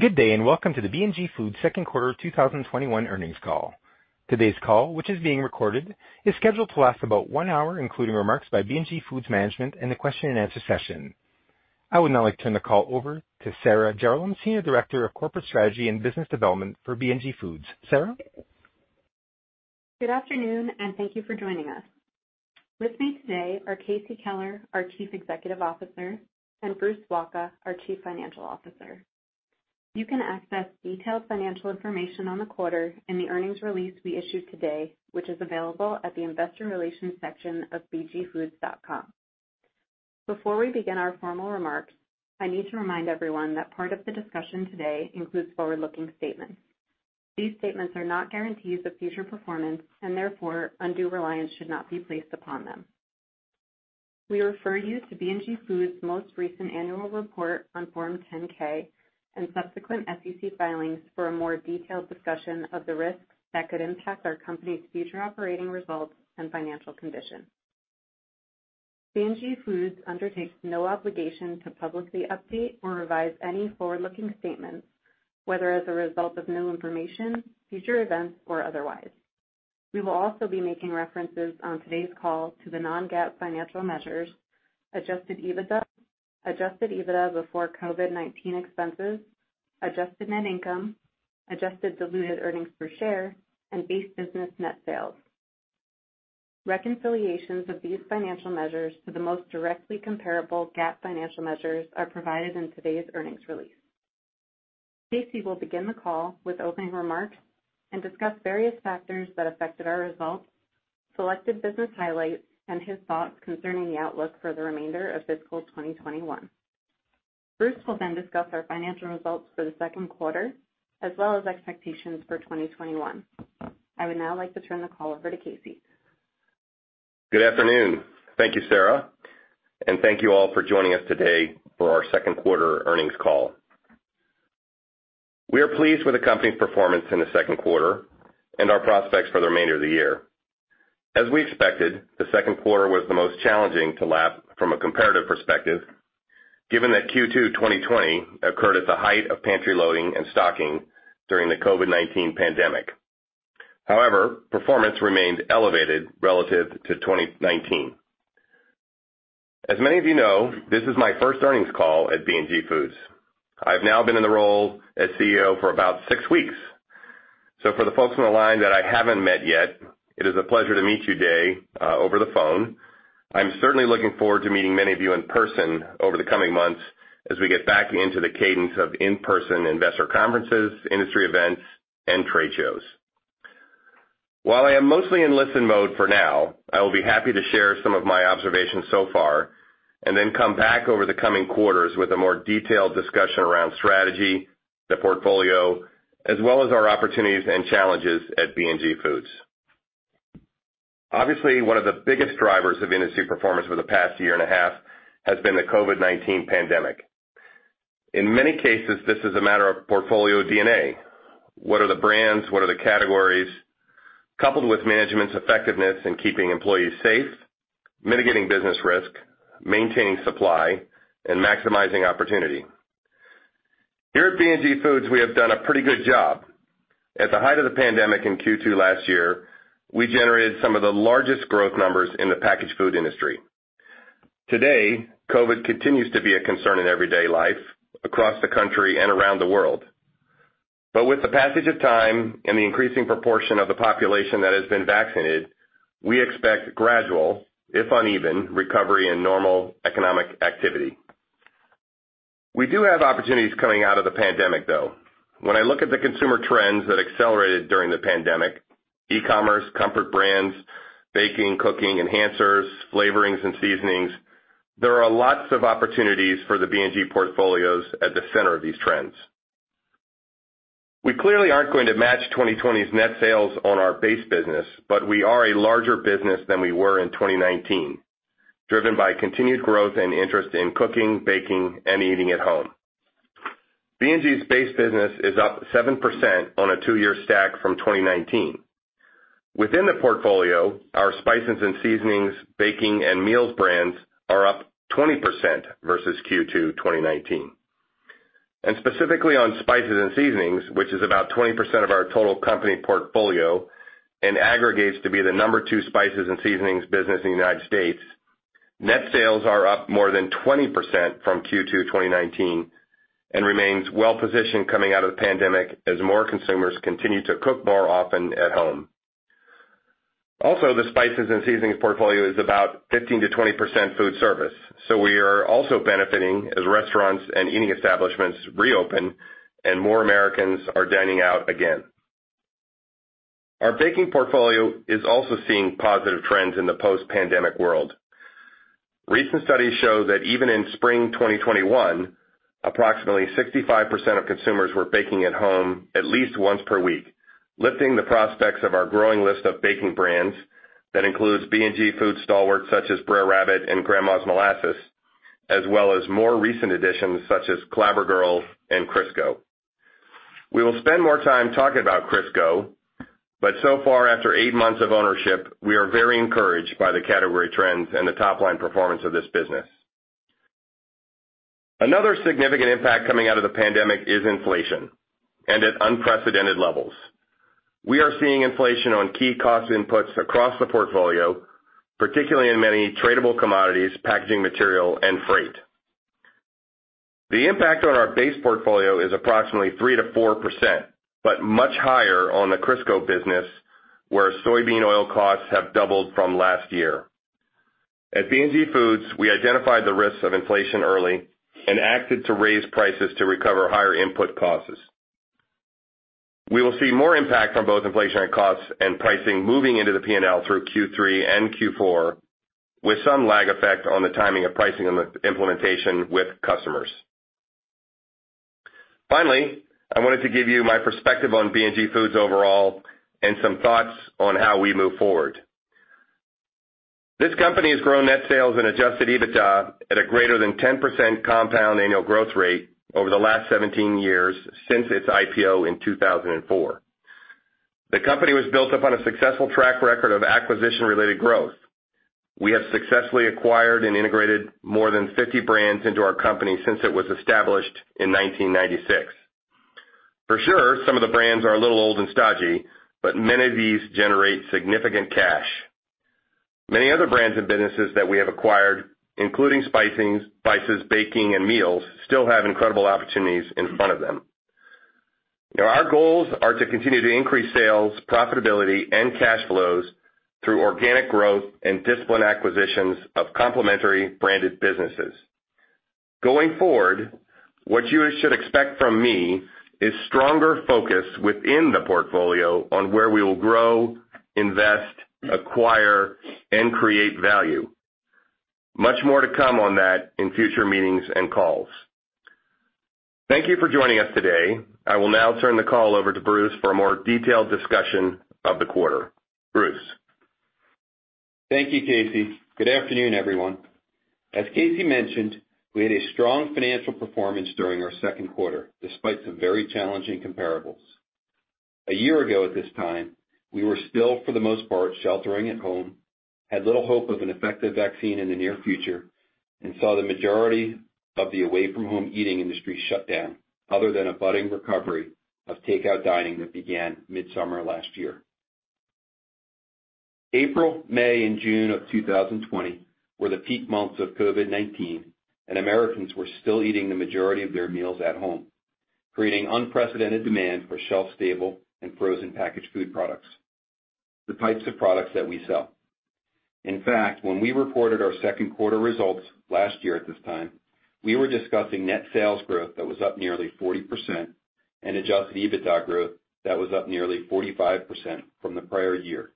Good day, and welcome to the B&G Foods' second quarter 2021 earnings call. Today's call, which is being recorded, is scheduled to last about one hour, including remarks by B&G Foods management and a question and answer session. I would now like to turn the call over to Sarah Jarolem, Senior Director of Corporate Strategy and Business Development for B&G Foods. Sarah? Good afternoon, and thank you for joining us. With me today are Casey Keller, our Chief Executive Officer, and Bruce Wacha, our Chief Financial Officer. You can access detailed financial information on the quarter in the earnings release we issued today, which is available at the investor relations section of bgfoods.com. Before we begin our formal remarks, I need to remind everyone that part of the discussion today includes forward-looking statements. These statements are not guarantees of future performance and therefore undue reliance should not be placed upon them. We refer you to B&G Foods' most recent annual report on Form 10-K and subsequent SEC filings for a more detailed discussion of the risks that could impact our company's future operating results and financial conditions. B&G Foods undertakes no obligation to publicly update or revise any forward-looking statements, whether as a result of new information, future events, or otherwise. We will also be making references on today's call to the non-GAAP financial measures, adjusted EBITDA, adjusted EBITDA before COVID-19 expenses, adjusted net income, adjusted diluted earnings per share, and base business net sales. Reconciliations of these financial measures to the most directly comparable GAAP financial measures are provided in today's earnings release. Casey will begin the call with opening remarks and discuss various factors that affected our results, selected business highlights, and his thoughts concerning the outlook for the remainder of fiscal 2021. Bruce will discuss our financial results for the second quarter, as well as expectations for 2021. I would now like to turn the call over to Casey. Good afternoon. Thank you, Sarah, thank you all for joining us today for our second quarter earnings call. We are pleased with the company's performance in the second quarter and our prospects for the remainder of the year. As we expected, the second quarter was the most challenging to lap from a comparative perspective, given that Q2 2020 occurred at the height of pantry loading and stocking during the COVID-19 pandemic. However, performance remained elevated relative to 2019. As many of you know, this is my first earnings call at B&G Foods. I've now been in the role as CEO for about 6 weeks. For the folks on the line that I haven't met yet, it is a pleasure to meet you today, over the phone. I'm certainly looking forward to meeting many of you in person over the coming months as we get back into the cadence of in-person investor conferences, industry events, and trade shows. While I am mostly in listen mode for now, I will be happy to share some of my observations so far, and then come back over the coming quarters with a more detailed discussion around strategy, the portfolio, as well as our opportunities and challenges at B&G Foods. Obviously, one of the biggest drivers of industry performance for the past year and a half has been the COVID-19 pandemic. In many cases, this is a matter of portfolio DNA. What are the brands? What are the categories? Coupled with management's effectiveness in keeping employees safe, mitigating business risk, maintaining supply, and maximizing opportunity. Here at B&G Foods, we have done a pretty good job. At the height of the pandemic in Q2 last year, we generated some of the largest growth numbers in the packaged food industry. Today, COVID continues to be a concern in everyday life across the country and around the world. With the passage of time and the increasing proportion of the population that has been vaccinated, we expect gradual, if uneven, recovery and normal economic activity. We do have opportunities coming out of the pandemic, though. When I look at the consumer trends that accelerated during the pandemic, e-commerce, comfort brands, baking, cooking enhancers, flavorings and seasonings, there are lots of opportunities for the B&G portfolios at the center of these trends. We clearly aren't going to match 2020's net sales on our base business, but we are a larger business than we were in 2019, driven by continued growth and interest in cooking, baking, and eating at home. B&G's base business is up 7% on a two-year stack from 2019. Within the portfolio, our spices and seasonings, baking, and meals brands are up 20% versus Q2 2019. Specifically on spices and seasonings, which is about 20% of our total company portfolio and aggregates to be the number 2 spices and seasonings business in the U.S., net sales are up more than 20% from Q2 2019 and remains well positioned coming out of the pandemic as more consumers continue to cook more often at home. Also, the spices and seasonings portfolio is about 15% to 20% food service, so we are also benefiting as restaurants and eating establishments reopen and more Americans are dining out again. Our baking portfolio is also seeing positive trends in the post-pandemic world. Recent studies show that even in spring 2021, approximately 65% of consumers were baking at home at least once per week, lifting the prospects of our growing list of baking brands that includes B&G Foods stalwarts such as Brer Rabbit and Grandma's Molasses, as well as more recent additions such as Clabber Girl and Crisco. We will spend more time talking about Crisco, so far, after 8 months of ownership, we are very encouraged by the category trends and the top-line performance of this business. Another significant impact coming out of the pandemic is inflation, and at unprecedented levels. We are seeing inflation on key cost inputs across the portfolio, particularly in many tradable commodities, packaging material, and freight. The impact on our base portfolio is approximately 3% to 4%, but much higher on the Crisco business, where soybean oil costs have doubled from last year. At B&G Foods, we identified the risks of inflation early and acted to raise prices to recover higher input costs. We will see more impact from both inflationary costs and pricing moving into the P&L through Q3 and Q4, with some lag effect on the timing of pricing implementation with customers. I wanted to give you my perspective on B&G Foods overall and some thoughts on how we move forward. This company has grown net sales and adjusted EBITDA at a greater than 10% compound annual growth rate over the last 17 years since its IPO in 2004. The company was built upon a successful track record of acquisition-related growth. We have successfully acquired and integrated more than 50 brands into our company since it was established in 1996. For sure, some of the brands are a little old and stodgy, but many of these generate significant cash. Many other brands and businesses that we have acquired, including spicings, spices, baking, and meals, still have incredible opportunities in front of them. Our goals are to continue to increase sales, profitability, and cash flows through organic growth and disciplined acquisitions of complementary branded businesses. Going forward, what you should expect from me is stronger focus within the portfolio on where we will grow, invest, acquire, and create value. Much more to come on that in future meetings and calls. Thank you for joining us today. I will now turn the call over to Bruce for a more detailed discussion of the quarter. Bruce? Thank you, Casey. Good afternoon, everyone. As Casey mentioned, we had a strong financial performance during our second quarter, despite some very challenging comparables. A year ago at this time, we were still, for the most part, sheltering at home, had little hope of an effective vaccine in the near future, and saw the majority of the away-from-home eating industry shut down, other than a budding recovery of takeout dining that began mid-summer last year. April, May, and June of 2020 were the peak months of COVID-19, and Americans were still eating the majority of their meals at home, creating unprecedented demand for shelf-stable and frozen packaged food products, the types of products that we sell. In fact, when we reported our second quarter results last year at this time, we were discussing net sales growth that was up nearly 40% and adjusted EBITDA growth that was up nearly 45% from the prior year.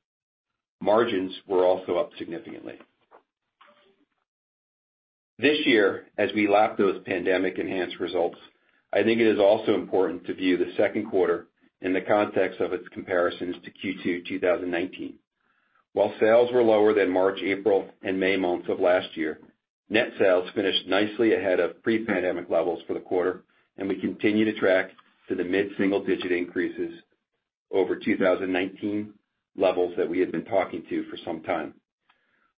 Margins were also up significantly. This year, as we lap those pandemic-enhanced results, I think it is also important to view the second quarter in the context of its comparisons to Q2 2019. While sales were lower than March, April, and May months of last year, net sales finished nicely ahead of pre-pandemic levels for the quarter, and we continue to track to the mid-single-digit increases over 2019 levels that we had been talking to for some time.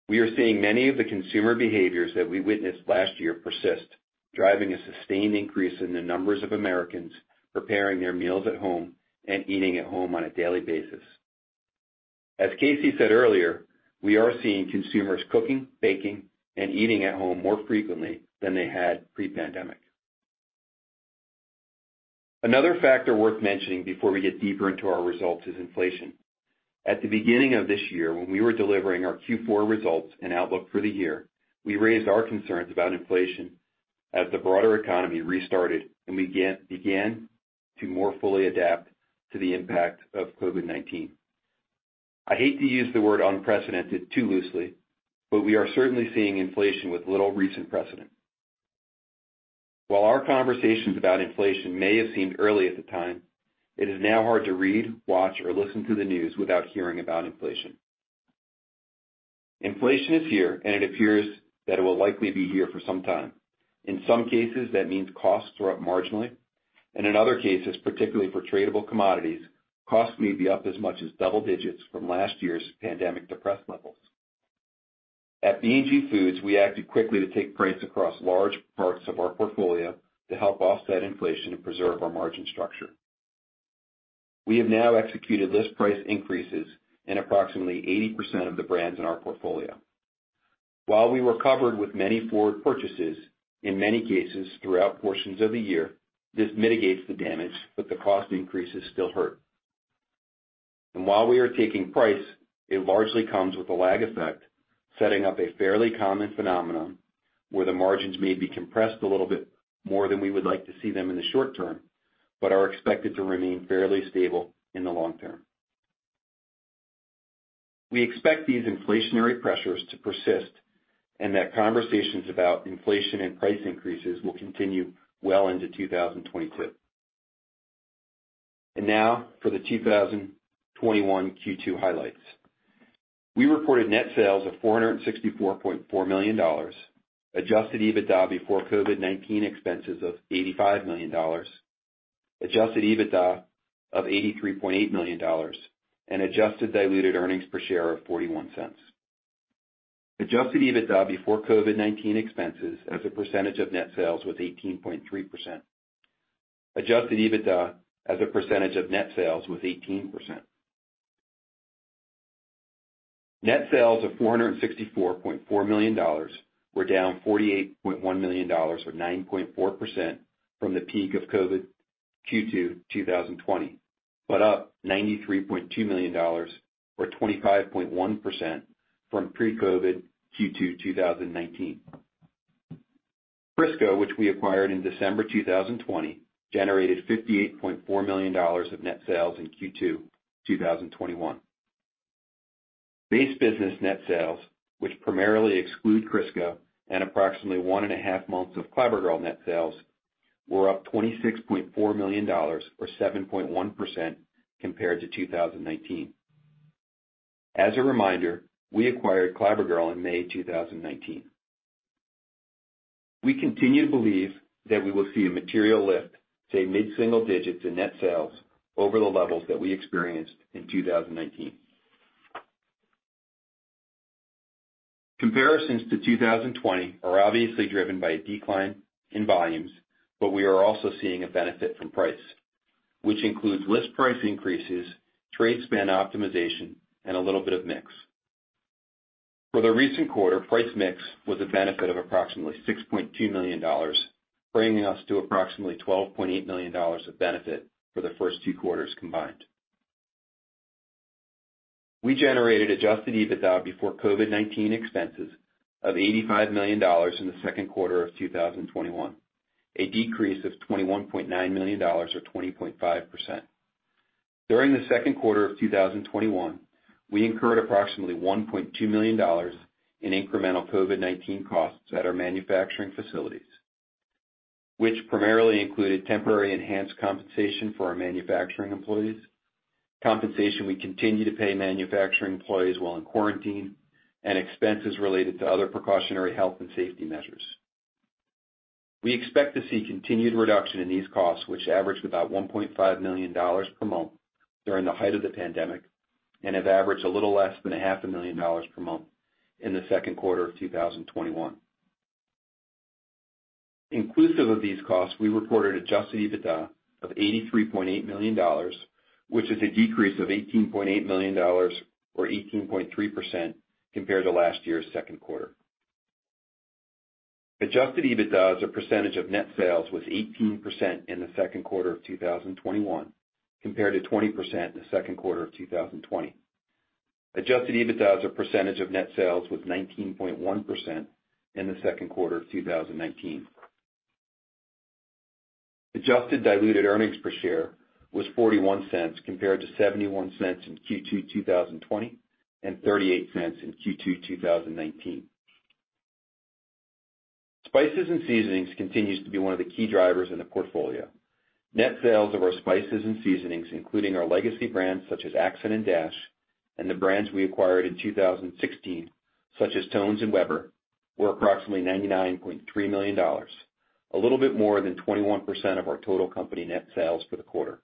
We are seeing many of the consumer behaviors that we witnessed last year persist, driving a sustained increase in the numbers of Americans preparing their meals at home and eating at home on a daily basis. As Casey said earlier, we are seeing consumers cooking, baking, and eating at home more frequently than they had pre-pandemic. Another factor worth mentioning before we get deeper into our results is inflation. At the beginning of this year, when we were delivering our Q4 results and outlook for the year, we raised our concerns about inflation as the broader economy restarted and began to more fully adapt to the impact of COVID-19. I hate to use the word unprecedented too loosely, but we are certainly seeing inflation with little recent precedent. While our conversations about inflation may have seemed early at the time, it is now hard to read, watch, or listen to the news without hearing about inflation. Inflation is here, and it appears that it will likely be here for some time. In some cases, that means costs are up marginally, and in other cases, particularly for tradable commodities, costs may be up as much as double digits from last year's pandemic-depressed levels. At B&G Foods, we acted quickly to take price across large parts of our portfolio to help offset inflation and preserve our margin structure. We have now executed list price increases in approximately 80% of the brands in our portfolio. While we were covered with many forward purchases, in many cases throughout portions of the year, this mitigates the damage, but the cost increases still hurt. While we are taking price, it largely comes with a lag effect, setting up a fairly common phenomenon where the margins may be compressed a little bit more than we would like to see them in the short term, but are expected to remain fairly stable in the long term. We expect these inflationary pressures to persist and that conversations about inflation and price increases will continue well into 2022. Now for the 2021 Q2 highlights. We reported net sales of $464.4 million, adjusted EBITDA before COVID-19 expenses of $85 million, adjusted EBITDA of $83.8 million, and adjusted diluted earnings per share of $0.41. Adjusted EBITDA before COVID-19 expenses as a percentage of net sales was 18.3%. Adjusted EBITDA as a percentage of net sales was 18%. Net sales of $464.4 million were down $48.1 million or 9.4% from the peak of COVID Q2 2020, but up $93.2 million or 25.1% from pre-COVID Q2 2019. Crisco, which we acquired in December 2020, generated $58.4 million of net sales in Q2 2021. Base business net sales, which primarily exclude Crisco and approximately one and a half months of Clabber Girl net sales, were up $26.4 million or 7.1% compared to 2019. As a reminder, we acquired Clabber Girl in May 2019. We continue to believe that we will see a material lift, say mid-single digits in net sales over the levels that we experienced in 2019. Comparisons to 2020 are obviously driven by a decline in volumes, but we are also seeing a benefit from price, which includes list price increases, trade spend optimization, and a little bit of mix. For the recent quarter, price mix was a benefit of approximately $6.2 million, bringing us to approximately $12.8 million of benefit for the first two quarters combined. We generated adjusted EBITDA before COVID-19 expenses of $85 million in the second quarter of 2021, a decrease of $21.9 million or 20.5%. During the second quarter of 2021, we incurred approximately $1.2 million in incremental COVID-19 costs at our manufacturing facilities, which primarily included temporary enhanced compensation for our manufacturing employees, compensation we continue to pay manufacturing employees while in quarantine, and expenses related to other precautionary health and safety measures. We expect to see continued reduction in these costs, which averaged about $1.5 million per month during the height of the pandemic and have averaged a little less than a half a million dollars per month in the second quarter of 2021. Inclusive of these costs, we reported adjusted EBITDA of $83.8 million, which is a decrease of $18.8 million or 18.3% compared to last year's second quarter. Adjusted EBITDA as a percentage of net sales was 18% in the second quarter of 2021 compared to 20% in the second quarter of 2020. Adjusted EBITDA as a percentage of net sales was 19.1% in the second quarter of 2019. Adjusted diluted earnings per share was $0.41 compared to $0.71 in Q2 2020 and $0.38 in Q2 2019. Spices and seasonings continues to be one of the key drivers in the portfolio. Net sales of our spices and seasonings, including our legacy brands such as Ac'cent and Dash, and the brands we acquired in 2016, such as Tone's and Weber, were approximately $99.3 million, a little bit more than 21% of our total company net sales for the quarter.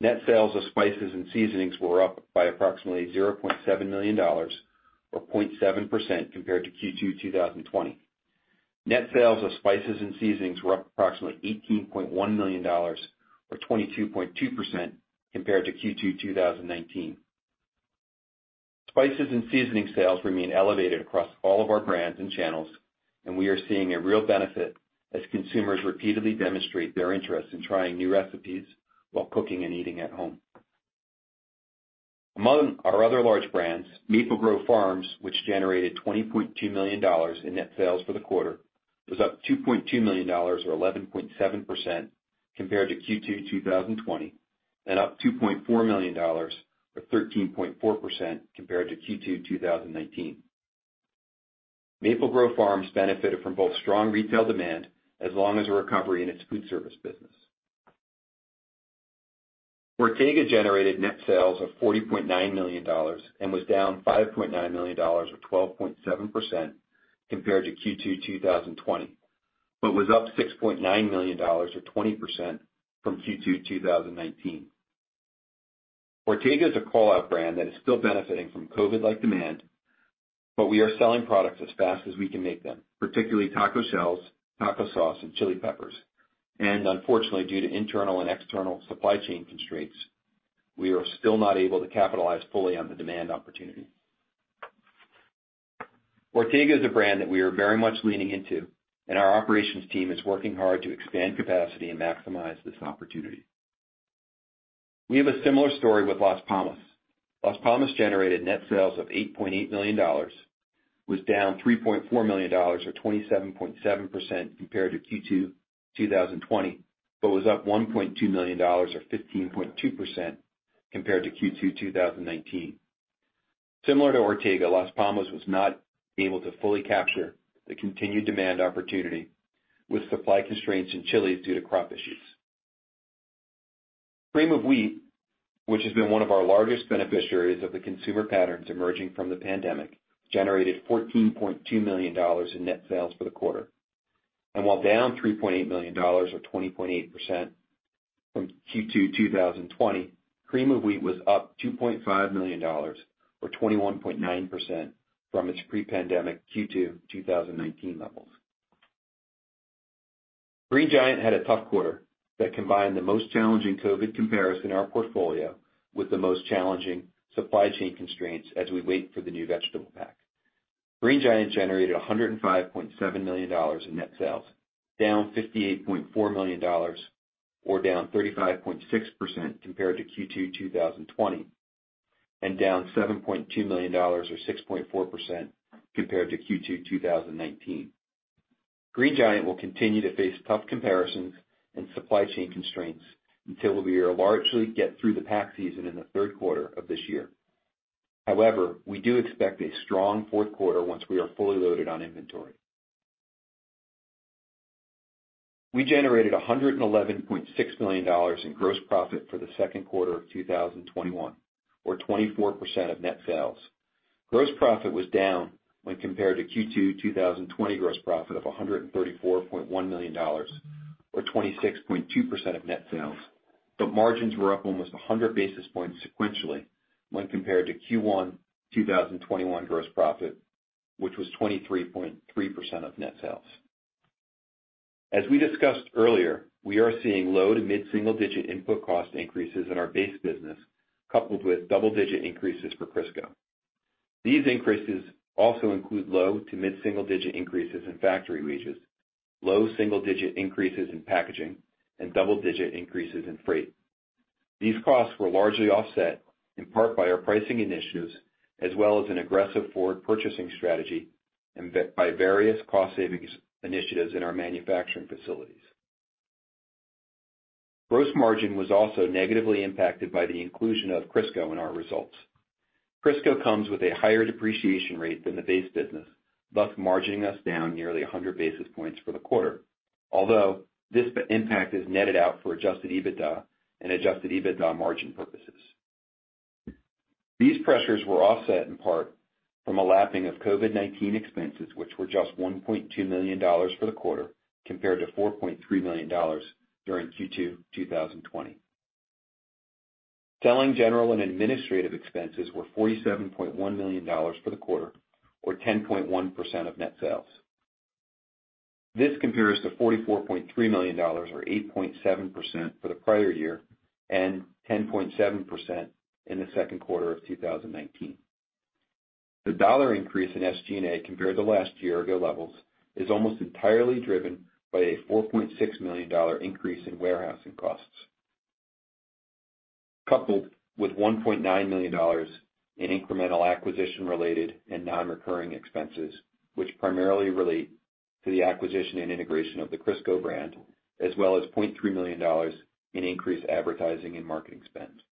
Net sales of spices and seasonings were up by approximately $0.7 million or 0.7% compared to Q2 2020. Net sales of spices and seasonings were up approximately $18.1 million or 22.2% compared to Q2 2019. Spices and seasoning sales remain elevated across all of our brands and channels, we are seeing a real benefit as consumers repeatedly demonstrate their interest in trying new recipes while cooking and eating at home. Among our other large brands, Maple Grove Farms, which generated $20.2 million in net sales for the quarter, was up $2.2 million or 11.7% compared to Q2 2020 and up $2.4 million or 13.4% compared to Q2 2019. Maple Grove Farms benefited from both strong retail demand as long as a recovery in its food service business. Ortega generated net sales of $40.9 million and was down $5.9 million or 12.7% compared to Q2 2020, but was up $6.9 million or 20% from Q2 2019. Ortega is a call-out brand that is still benefiting from COVID-like demand, but we are selling products as fast as we can make them, particularly taco shells, taco sauce, and chili peppers. Unfortunately, due to internal and external supply chain constraints, we are still not able to capitalize fully on the demand opportunity. Ortega is a brand that we are very much leaning into, and our operations team is working hard to expand capacity and maximize this opportunity. We have a similar story with Las Palmas. Las Palmas generated net sales of $8.8 million, was down $3.4 million or 27.7% compared to Q2 2020, but was up $1.2 million or 15.2% compared to Q2 2019. Similar to Ortega, Las Palmas was not able to fully capture the continued demand opportunity with supply constraints in chilies due to crop issues. Cream of Wheat, which has been one of our largest beneficiaries of the consumer patterns emerging from the pandemic, generated $14.2 million in net sales for the quarter. While down $3.8 million or 20.8% from Q2 2020, Cream of Wheat was up $2.5 million or 21.9% from its pre-pandemic Q2 2019 levels. Green Giant had a tough quarter that combined the most challenging COVID comparison in our portfolio with the most challenging supply chain constraints as we wait for the new vegetable pack. Green Giant generated $105.7 million in net sales, down $58.4 million or down 35.6% compared to Q2 2020, and down $7.2 million or 6.4% compared to Q2 2019. Green Giant will continue to face tough comparisons and supply chain constraints until we largely get through the pack season in the third quarter of this year. However, we do expect a strong fourth quarter once we are fully loaded on inventory. We generated $111.6 million in gross profit for the second quarter of 2021, or 24% of net sales. Gross profit was down when compared to Q2 2020 gross profit of $134.1 million or 26.2% of net sales. Margins were up almost 100 basis points sequentially when compared to Q1 2021 gross profit, which was 23.3% of net sales. As we discussed earlier, we are seeing low to mid-single-digit input cost increases in our base business, coupled with double-digit increases for Crisco. These increases also include low to mid-single-digit increases in factory wages, low single-digit increases in packaging, and double-digit increases in freight. These costs were largely offset in part by our pricing initiatives, as well as an aggressive forward purchasing strategy and by various cost savings initiatives in our manufacturing facilities. Gross margin was also negatively impacted by the inclusion of Crisco in our results. Crisco comes with a higher depreciation rate than the base business, thus margining us down nearly 100 basis points for the quarter. This impact is netted out for adjusted EBITDA and adjusted EBITDA margin purposes. These pressures were offset in part from a lapping of COVID-19 expenses, which were just $1.2 million for the quarter, compared to $4.3 million during Q2 2020. Selling, general and administrative expenses were $47.1 million for the quarter, or 10.1% of net sales. This compares to $44.3 million or 8.7% for the prior year and 10.7% in the second quarter of 2019. The dollar increase in SG&A compared to last year or year levels is almost entirely driven by a $4.6 million increase in warehousing costs, coupled with $1.9 million in incremental acquisition-related and non-recurring expenses, which primarily relate to the acquisition and integration of the Crisco brand, as well as $0.3 million in increased advertising and marketing spend.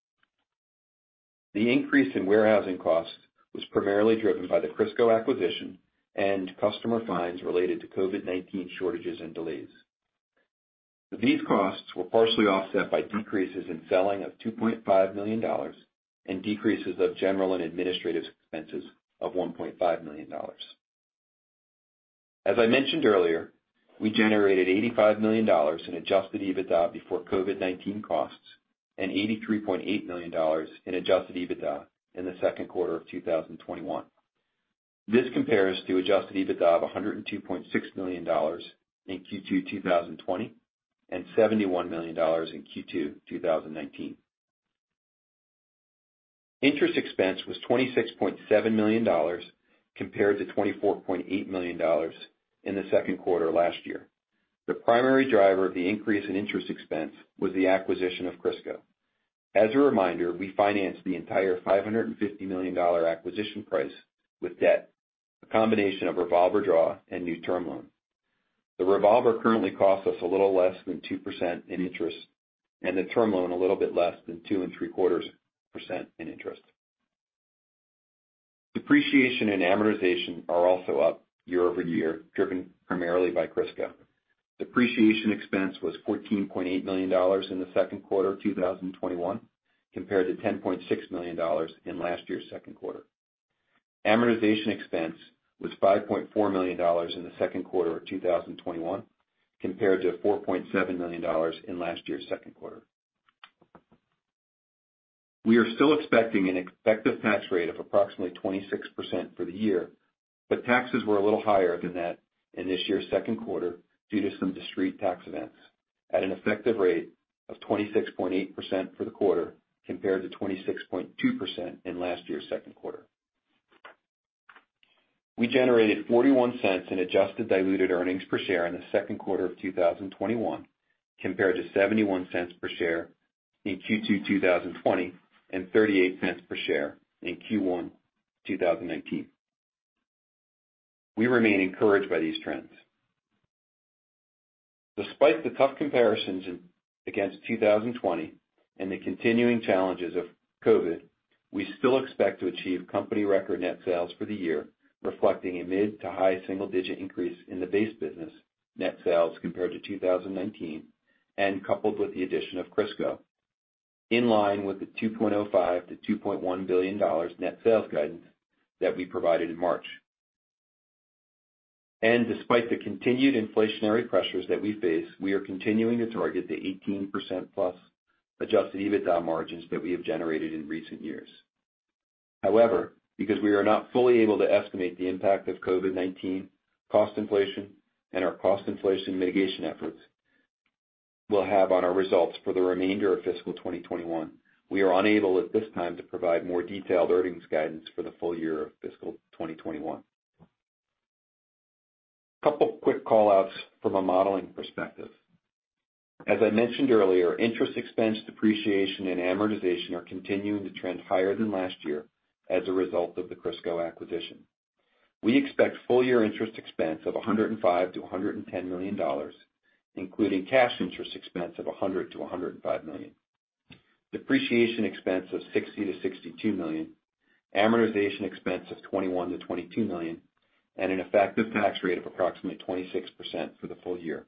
The increase in warehousing costs was primarily driven by the Crisco acquisition and customer fines related to COVID-19 shortages and delays. These costs were partially offset by decreases in selling of $2.5 million and decreases of general and administrative expenses of $1.5 million. As I mentioned earlier, we generated $85 million in adjusted EBITDA before COVID-19 costs and $83.8 million in adjusted EBITDA in the second quarter of 2021. This compares to adjusted EBITDA of $102.6 million in Q2 2020 and $71 million in Q2 2019. Interest expense was $26.7 million compared to $24.8 million in the second quarter last year. The primary driver of the increase in interest expense was the acquisition of Crisco. As a reminder, we financed the entire $550 million acquisition price with debt, a combination of revolver draw and new term loan. The revolver currently costs us a little less than 2% in interest and the term loan a little bit less than 2.75% in interest. Depreciation and amortization are also up year-over-year, driven primarily by Crisco. Depreciation expense was $14.8 million in the second quarter of 2021 compared to $10.6 million in last year's second quarter. Amortization expense was $5.4 million in the second quarter of 2021 compared to $4.7 million in last year's second quarter. We are still expecting an effective tax rate of approximately 26% for the year, but taxes were a little higher than that in this year's second quarter due to some discrete tax events at an effective rate of 26.8% for the quarter compared to 26.2% in last year's second quarter. We generated $0.41 in adjusted diluted earnings per share in the second quarter of 2021 compared to $0.71 per share in Q2 2020 and $0.38 per share in Q1 2019. We remain encouraged by these trends. Despite the tough comparisons against 2020 and the continuing challenges of COVID-19, we still expect to achieve company record net sales for the year, reflecting a mid to high single-digit increase in the base business net sales compared to 2019, coupled with the addition of Crisco, in line with the $2.05 to 2.1 billion net sales guidance that we provided in March. Despite the continued inflationary pressures that we face, we are continuing to target the 18%+ adjusted EBITDA margins that we have generated in recent years. However, because we are not fully able to estimate the impact of COVID-19, cost inflation, and our cost inflation mitigation efforts will have on our results for the remainder of fiscal 2021, we are unable, at this time, to provide more detailed earnings guidance for the full year of fiscal 2021. Couple quick call-outs from a modeling perspective. As I mentioned earlier, interest expense, depreciation, and amortization are continuing to trend higher than last year as a result of the Crisco acquisition. We expect full year interest expense of $105 to 110 million, including cash interest expense of $100 to 105 million, depreciation expense of $60 to 62 million, amortization expense of $21 to 22 million, and an effective tax rate of approximately 26% for the full year.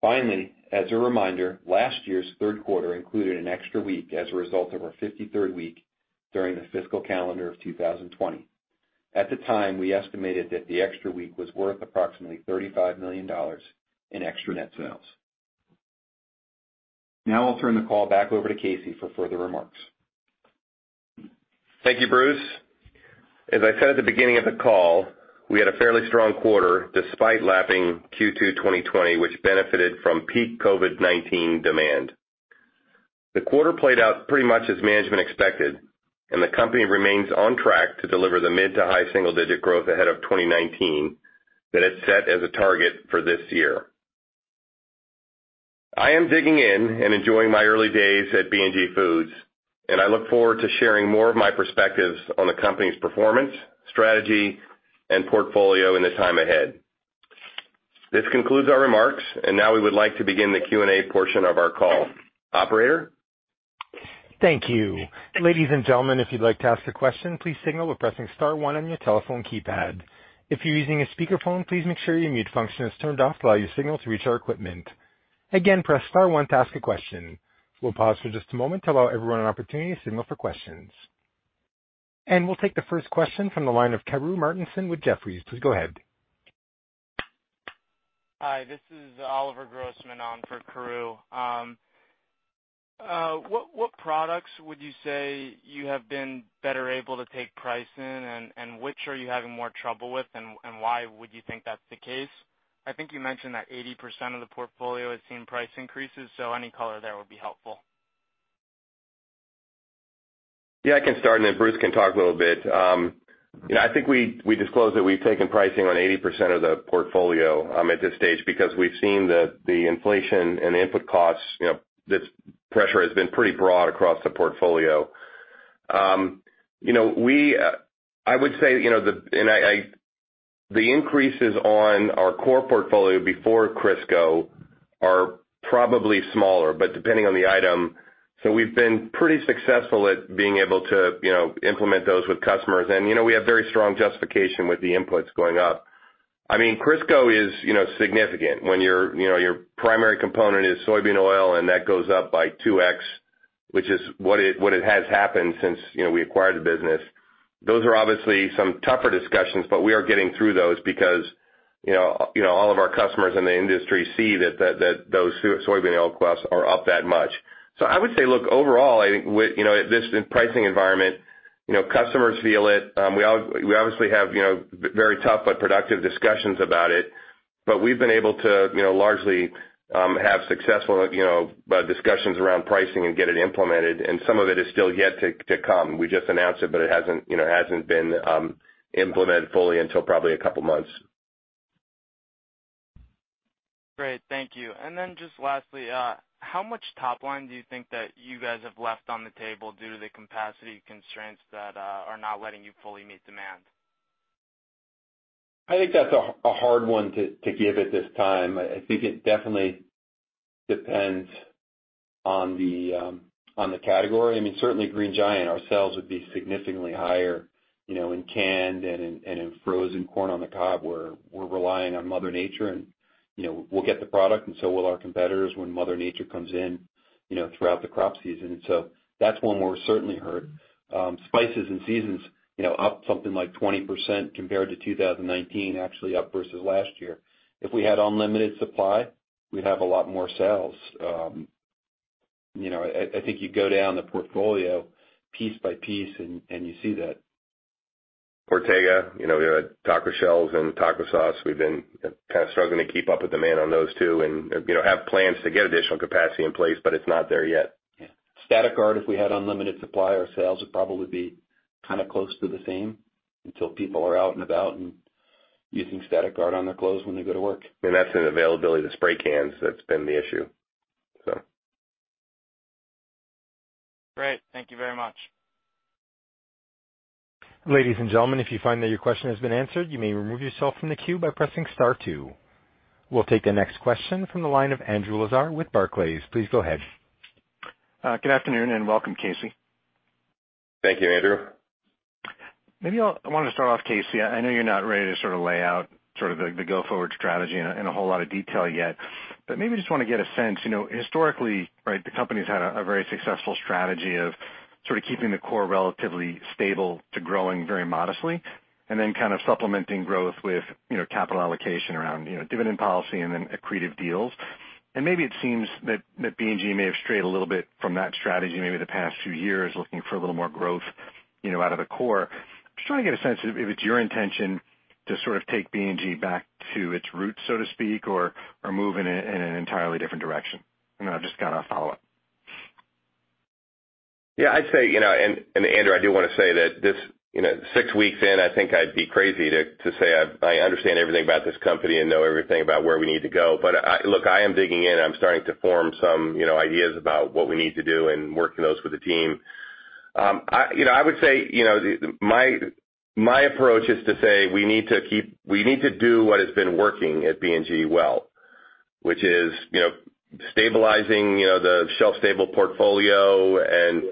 Finally, as a reminder, last year's third quarter included an extra week as a result of our 53rd week during the fiscal calendar of 2020. At the time, we estimated that the extra week was worth approximately $35 million in extra net sales. Now I'll turn the call back over to Casey for further remarks. Thank you, Bruce. As I said at the beginning of the call, we had a fairly strong quarter despite lapping Q2 2020, which benefited from peak COVID-19 demand. The quarter played out pretty much as management expected. The company remains on track to deliver the mid-to-high single-digit growth ahead of 2019 that it set as a target for this year. I am digging in and enjoying my early days at B&G Foods. I look forward to sharing more of my perspectives on the company's performance, strategy, and portfolio in the time ahead. This concludes our remarks. Now we would like to begin the Q&A portion of our call. Operator? Thank you. Ladies and gentlemen, if you'd like to ask a question, please signal by pressing star one on your telephone keypad. If you're using a speakerphone, please make sure your mute function is turned off to allow your signal to reach our equipment. Again, press star one to ask a question. We'll pause for just a moment to allow everyone an opportunity to signal for questions. We'll take the first question from the line of Karru Martinson with Jefferies. Please go ahead. Hi, this is Oliver Grossman on for Karru Martinson. What products would you say you have been better able to take price in, and which are you having more trouble with, and why would you think that's the case? I think you mentioned that 80% of the portfolio has seen price increases. Any color there would be helpful. Yeah, I can start and then Bruce Wacha can talk a little bit. I think we disclosed that we've taken pricing on 80% of the portfolio at this stage because we've seen the inflation and the input costs, this pressure has been pretty broad across the portfolio. I would say, the increases on our core portfolio before Crisco are probably smaller, but depending on the item. We've been pretty successful at being able to implement those with customers. We have very strong justification with the inputs going up. Crisco is significant. When your primary component is soybean oil and that goes up by 2x, which is what it has happened since we acquired the business, those are obviously some tougher discussions, but we are getting through those because all of our customers in the industry see that those soybean oil costs are up that much. I would say, look, overall, I think this pricing environment, customers feel it. We obviously have very tough but productive discussions about it, but we've been able to largely have successful discussions around pricing and get it implemented, and some of it is still yet to come. We just announced it, but it hasn't been implemented fully until probably a couple of months. Great. Thank you. Just lastly, how much top line do you think that you guys have left on the table due to the capacity constraints that are not letting you fully meet demand? I think that's a hard one to give at this time. I think it definitely depends on the category. Certainly Green Giant, our sales would be significantly higher in canned and in frozen corn on the cob, where we're relying on Mother Nature and we'll get the product and so will our competitors when Mother Nature comes in throughout the crop season. That's one where we're certainly hurt. Spices and seasons, up something like 20% compared to 2019, actually up versus last year. If we had unlimited supply, we'd have a lot more sales. I think you go down the portfolio piece by piece and you see that. Ortega, taco shells and taco sauce, we've been kind of struggling to keep up with demand on those two and have plans to get additional capacity in place. It's not there yet. Static Guard, if we had unlimited supply, our sales would probably be kind of close to the same until people are out and about and using Static Guard on their clothes when they go to work. That's an availability of the spray cans that's been the issue. Great. Thank you very much. Ladies and gentlemen, if you find that your question has been answered, you may remove yourself from the queue by pressing star two. We'll take the next question from the line of Andrew Lazar with Barclays. Please go ahead. Good afternoon, and welcome, Casey. Thank you, Andrew. I wanted to start off, Casey, I know you're not ready to sort of lay out sort of the go-forward strategy in a whole lot of detail yet, but maybe just want to get a sense. Historically, right, the company's had a very successful strategy of sort of keeping the core relatively stable to growing very modestly, and then kind of supplementing growth with capital allocation around dividend policy and then accretive deals. Maybe it seems that B&G may have strayed a little bit from that strategy, maybe the past few years, looking for a little more growth out of the core. I'm just trying to get a sense if it's your intention to sort of take B&G back to its roots, so to speak, or move in an entirely different direction. I've just got a follow-up. Yeah, I'd say, Andrew, I do want to say that this, 6 weeks in, I think I'd be crazy to say I understand everything about this company and know everything about where we need to go. Look, I am digging in. I'm starting to form some ideas about what we need to do and working those with the team. I would say, my approach is to say we need to do what has been working at B&G well, which is stabilizing the shelf-stable portfolio and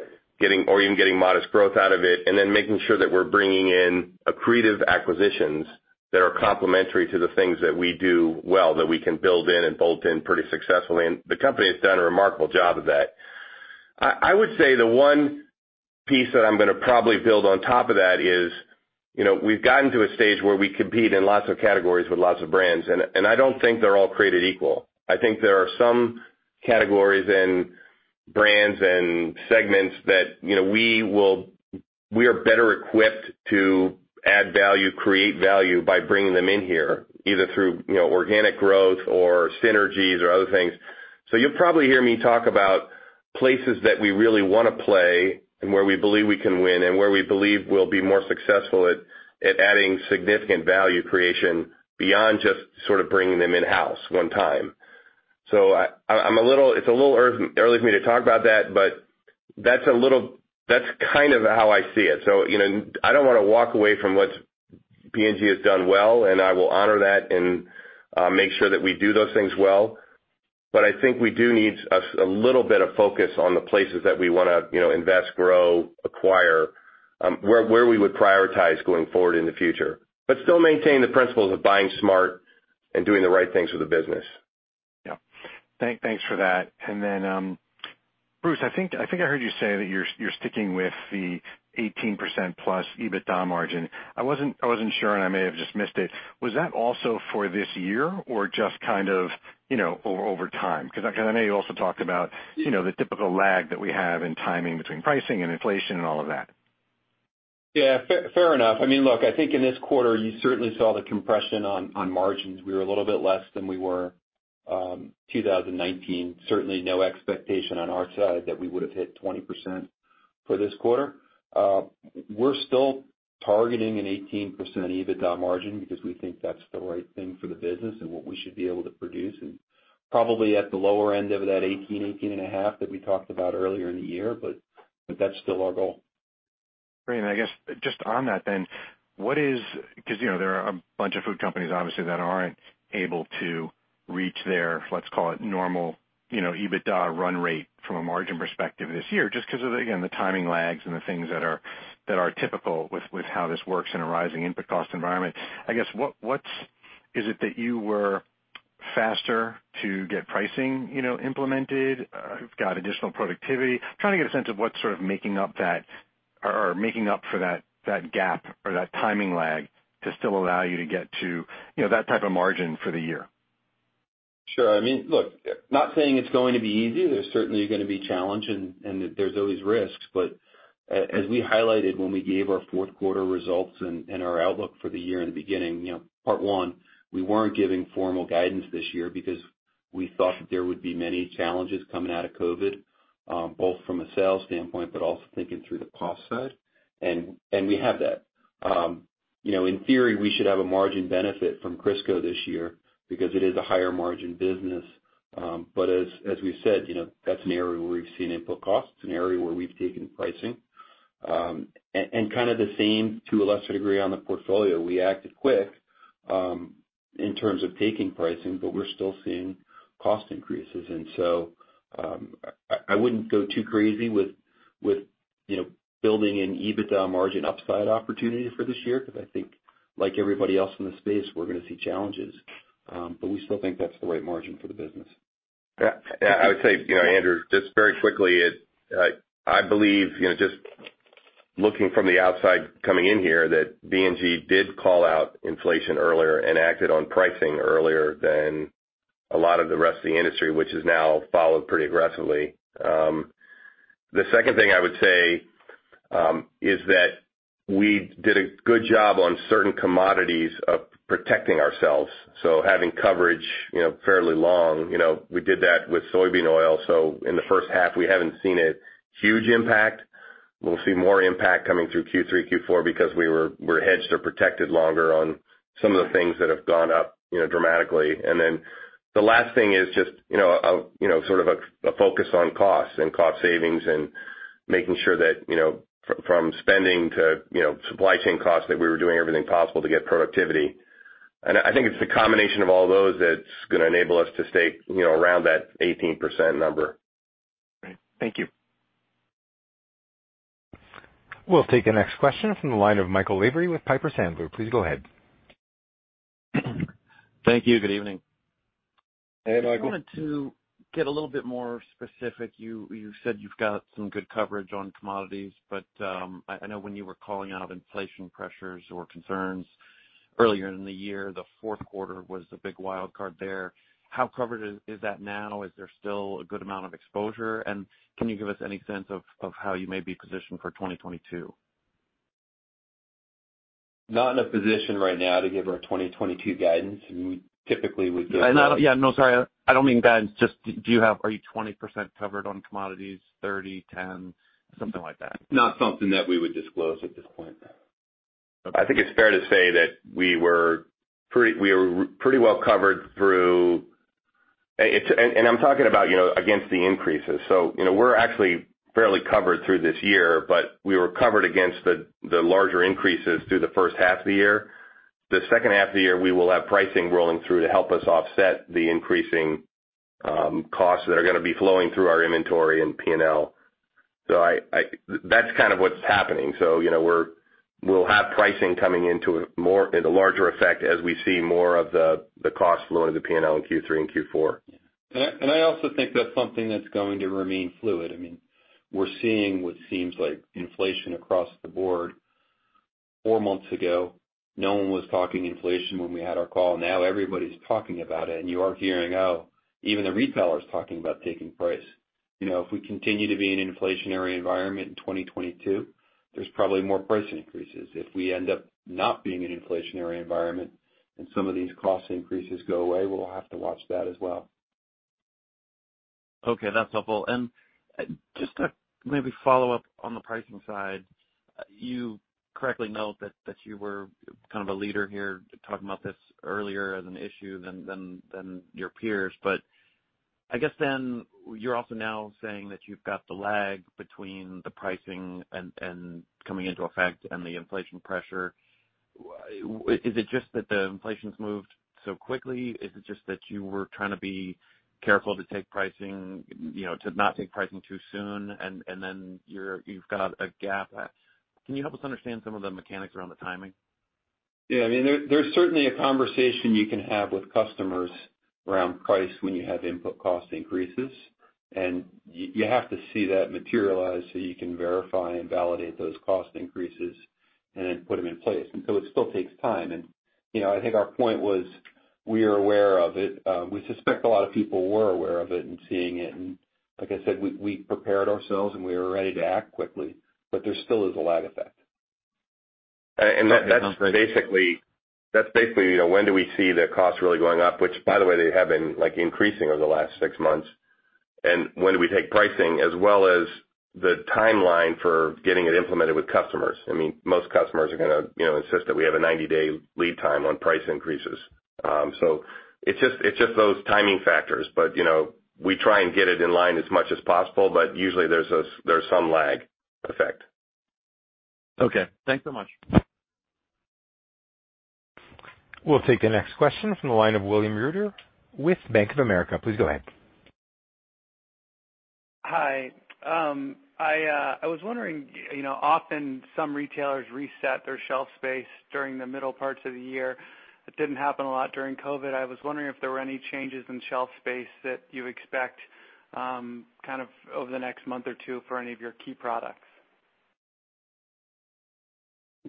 or even getting modest growth out of it, and then making sure that we're bringing in accretive acquisitions that are complementary to the things that we do well, that we can build in and bolt in pretty successfully. The company has done a remarkable job of that. I would say the one piece that I'm going to probably build on top of that is, we've gotten to a stage where we compete in lots of categories with lots of brands, and I don't think they're all created equal. I think there are some categories and brands and segments that we are better equipped to add value, create value by bringing them in here, either through organic growth or synergies or other things. You'll probably hear me talk about places that we really want to play and where we believe we can win, and where we believe we'll be more successful at adding significant value creation beyond just sort of bringing them in-house 1 time. It's a little early for me to talk about that, but that's kind of how I see it. I don't want to walk away from what B&G has done well, and I will honor that and make sure that we do those things well. I think we do need a little bit of focus on the places that we want to invest, grow, acquire, where we would prioritize going forward in the future, but still maintain the principles of buying smart and doing the right things for the business. Yeah. Thanks for that. Bruce, I think I heard you say that you're sticking with the 18% plus EBITDA margin. I wasn't sure, and I may have just missed it. Was that also for this year or just kind of over time? Because I know you also talked about the typical lag that we have in timing between pricing and inflation and all of that. Yeah. Fair enough. Look, I think in this quarter, you certainly saw the compression on margins. We were a little bit less than we were 2019. Certainly no expectation on our side that we would've hit 20% for this quarter. We're still targeting an 18% EBITDA margin because we think that's the right thing for the business and what we should be able to produce, and probably at the lower end of that 18%-18.5% that we talked about earlier in the year. That's still our goal. Great. I guess just on that then, what is because there are a bunch of food companies obviously that aren't able to reach their, let's call it normal, EBITDA run rate from a margin perspective this year, just because of, again, the timing lags and the things that are typical with how this works in a rising input cost environment. I guess, what is it that you were faster to get pricing implemented, you've got additional productivity, trying to get a sense of what's sort of making up that or making up for that gap or that timing lag to still allow you to get to that type of margin for the year? Sure. Look, not saying it's going to be easy. There's certainly going to be challenge and there's always risks. As we highlighted when we gave our fourth quarter results and our outlook for the year in the beginning, part 1, we weren't giving formal guidance this year because we thought that there would be many challenges coming out of COVID-19, both from a sales standpoint, but also thinking through the cost side. We have that. In theory, we should have a margin benefit from Crisco this year because it is a higher margin business. As we've said, that's an area where we've seen input costs. It's an area where we've taken pricing. Kind of the same to a lesser degree on the portfolio. We acted quick, in terms of taking pricing, We're still seeing cost increases. I wouldn't go too crazy with building an EBITDA margin upside opportunity for this year because I think like everybody else in the space, we're going to see challenges. We still think that's the right margin for the business. I would say, Andrew, just very quickly, I believe, just looking from the outside coming in here, that B&G did call out inflation earlier and acted on pricing earlier than a lot of the rest of the industry, which is now followed pretty aggressively. The second thing I would say is that we did a good job on certain commodities of protecting ourselves. Having coverage fairly long. We did that with soybean oil. In the first half, we haven't seen a huge impact. We'll see more impact coming through Q3, Q4 because we're hedged or protected longer on some of the things that have gone up dramatically. The last thing is just sort of a focus on costs and cost savings and making sure that from spending to supply chain costs, that we were doing everything possible to get productivity. I think it's the combination of all those that's going to enable us to stay around that 18% number. Right. Thank you. We'll take the next question from the line of Michael Lavery with Piper Sandler. Please go ahead. Thank you. Good evening. Hey, Michael. I just wanted to get a little bit more specific. You said you've got some good coverage on commodities, but, I know when you were calling out inflation pressures or concerns earlier in the year, the 4th quarter was the big wild card there. How covered is that now? Is there still a good amount of exposure? Can you give us any sense of how you may be positioned for 2022? Not in a position right now to give our 2022 guidance. Yeah, no, sorry. I don't mean guidance. Are you 20% covered on commodities, 30%, 10%, something like that? Not something that we would disclose at this point. I think it's fair to say that we were pretty well covered through. I'm talking about against the increases. We're actually fairly covered through this year, but we were covered against the larger increases through the 1st half of the year. The 2nd half of the year, we will have pricing rolling through to help us offset the increasing costs that are going to be flowing through our inventory and P&L. That's kind of what's happening. We'll have pricing coming into it in a larger effect as we see more of the cost flowing to the P&L in Q3 and Q4. I also think that's something that's going to remain fluid. We're seeing what seems like inflation across the board. 4 months ago, no one was talking inflation when we had our call. Now everybody's talking about it, you are hearing out, even the retailers talking about taking price. If we continue to be in an inflationary environment in 2022, there's probably more price increases. If we end up not being an inflationary environment and some of these cost increases go away, we'll have to watch that as well. Okay, that's helpful. Just to maybe follow up on the pricing side, you correctly note that you were kind of a leader here talking about this earlier as an issue than your peers. I guess then you're also now saying that you've got the lag between the pricing and coming into effect and the inflation pressure. Is it just that the inflation's moved so quickly? Is it just that you were trying to be careful to not take pricing too soon, and then you've got a gap? Can you help us understand some of the mechanics around the timing? Yeah. There's certainly a conversation you can have with customers around price when you have input cost increases. You have to see that materialize so you can verify and validate those cost increases. Then put them in place. It still takes time. I think our point was, we are aware of it. We suspect a lot of people were aware of it and seeing it. Like I said, we prepared ourselves and we were ready to act quickly. There still is a lag effect. Okay, sounds right. That's basically, when do we see the costs really going up? Which, by the way, they have been increasing over the last six months. When do we take pricing as well as the timeline for getting it implemented with customers? Most customers are going to insist that we have a 90-day lead time on price increases. It's just those timing factors. We try and get it in line as much as possible, but usually there's some lag effect. Okay. Thanks so much. We'll take the next question from the line of William Reuter with Bank of America. Please go ahead. Hi. I was wondering, often some retailers reset their shelf space during the middle parts of the year. It didn't happen a lot during COVID. I was wondering if there were any changes in shelf space that you expect over the next month or two for any of your key products?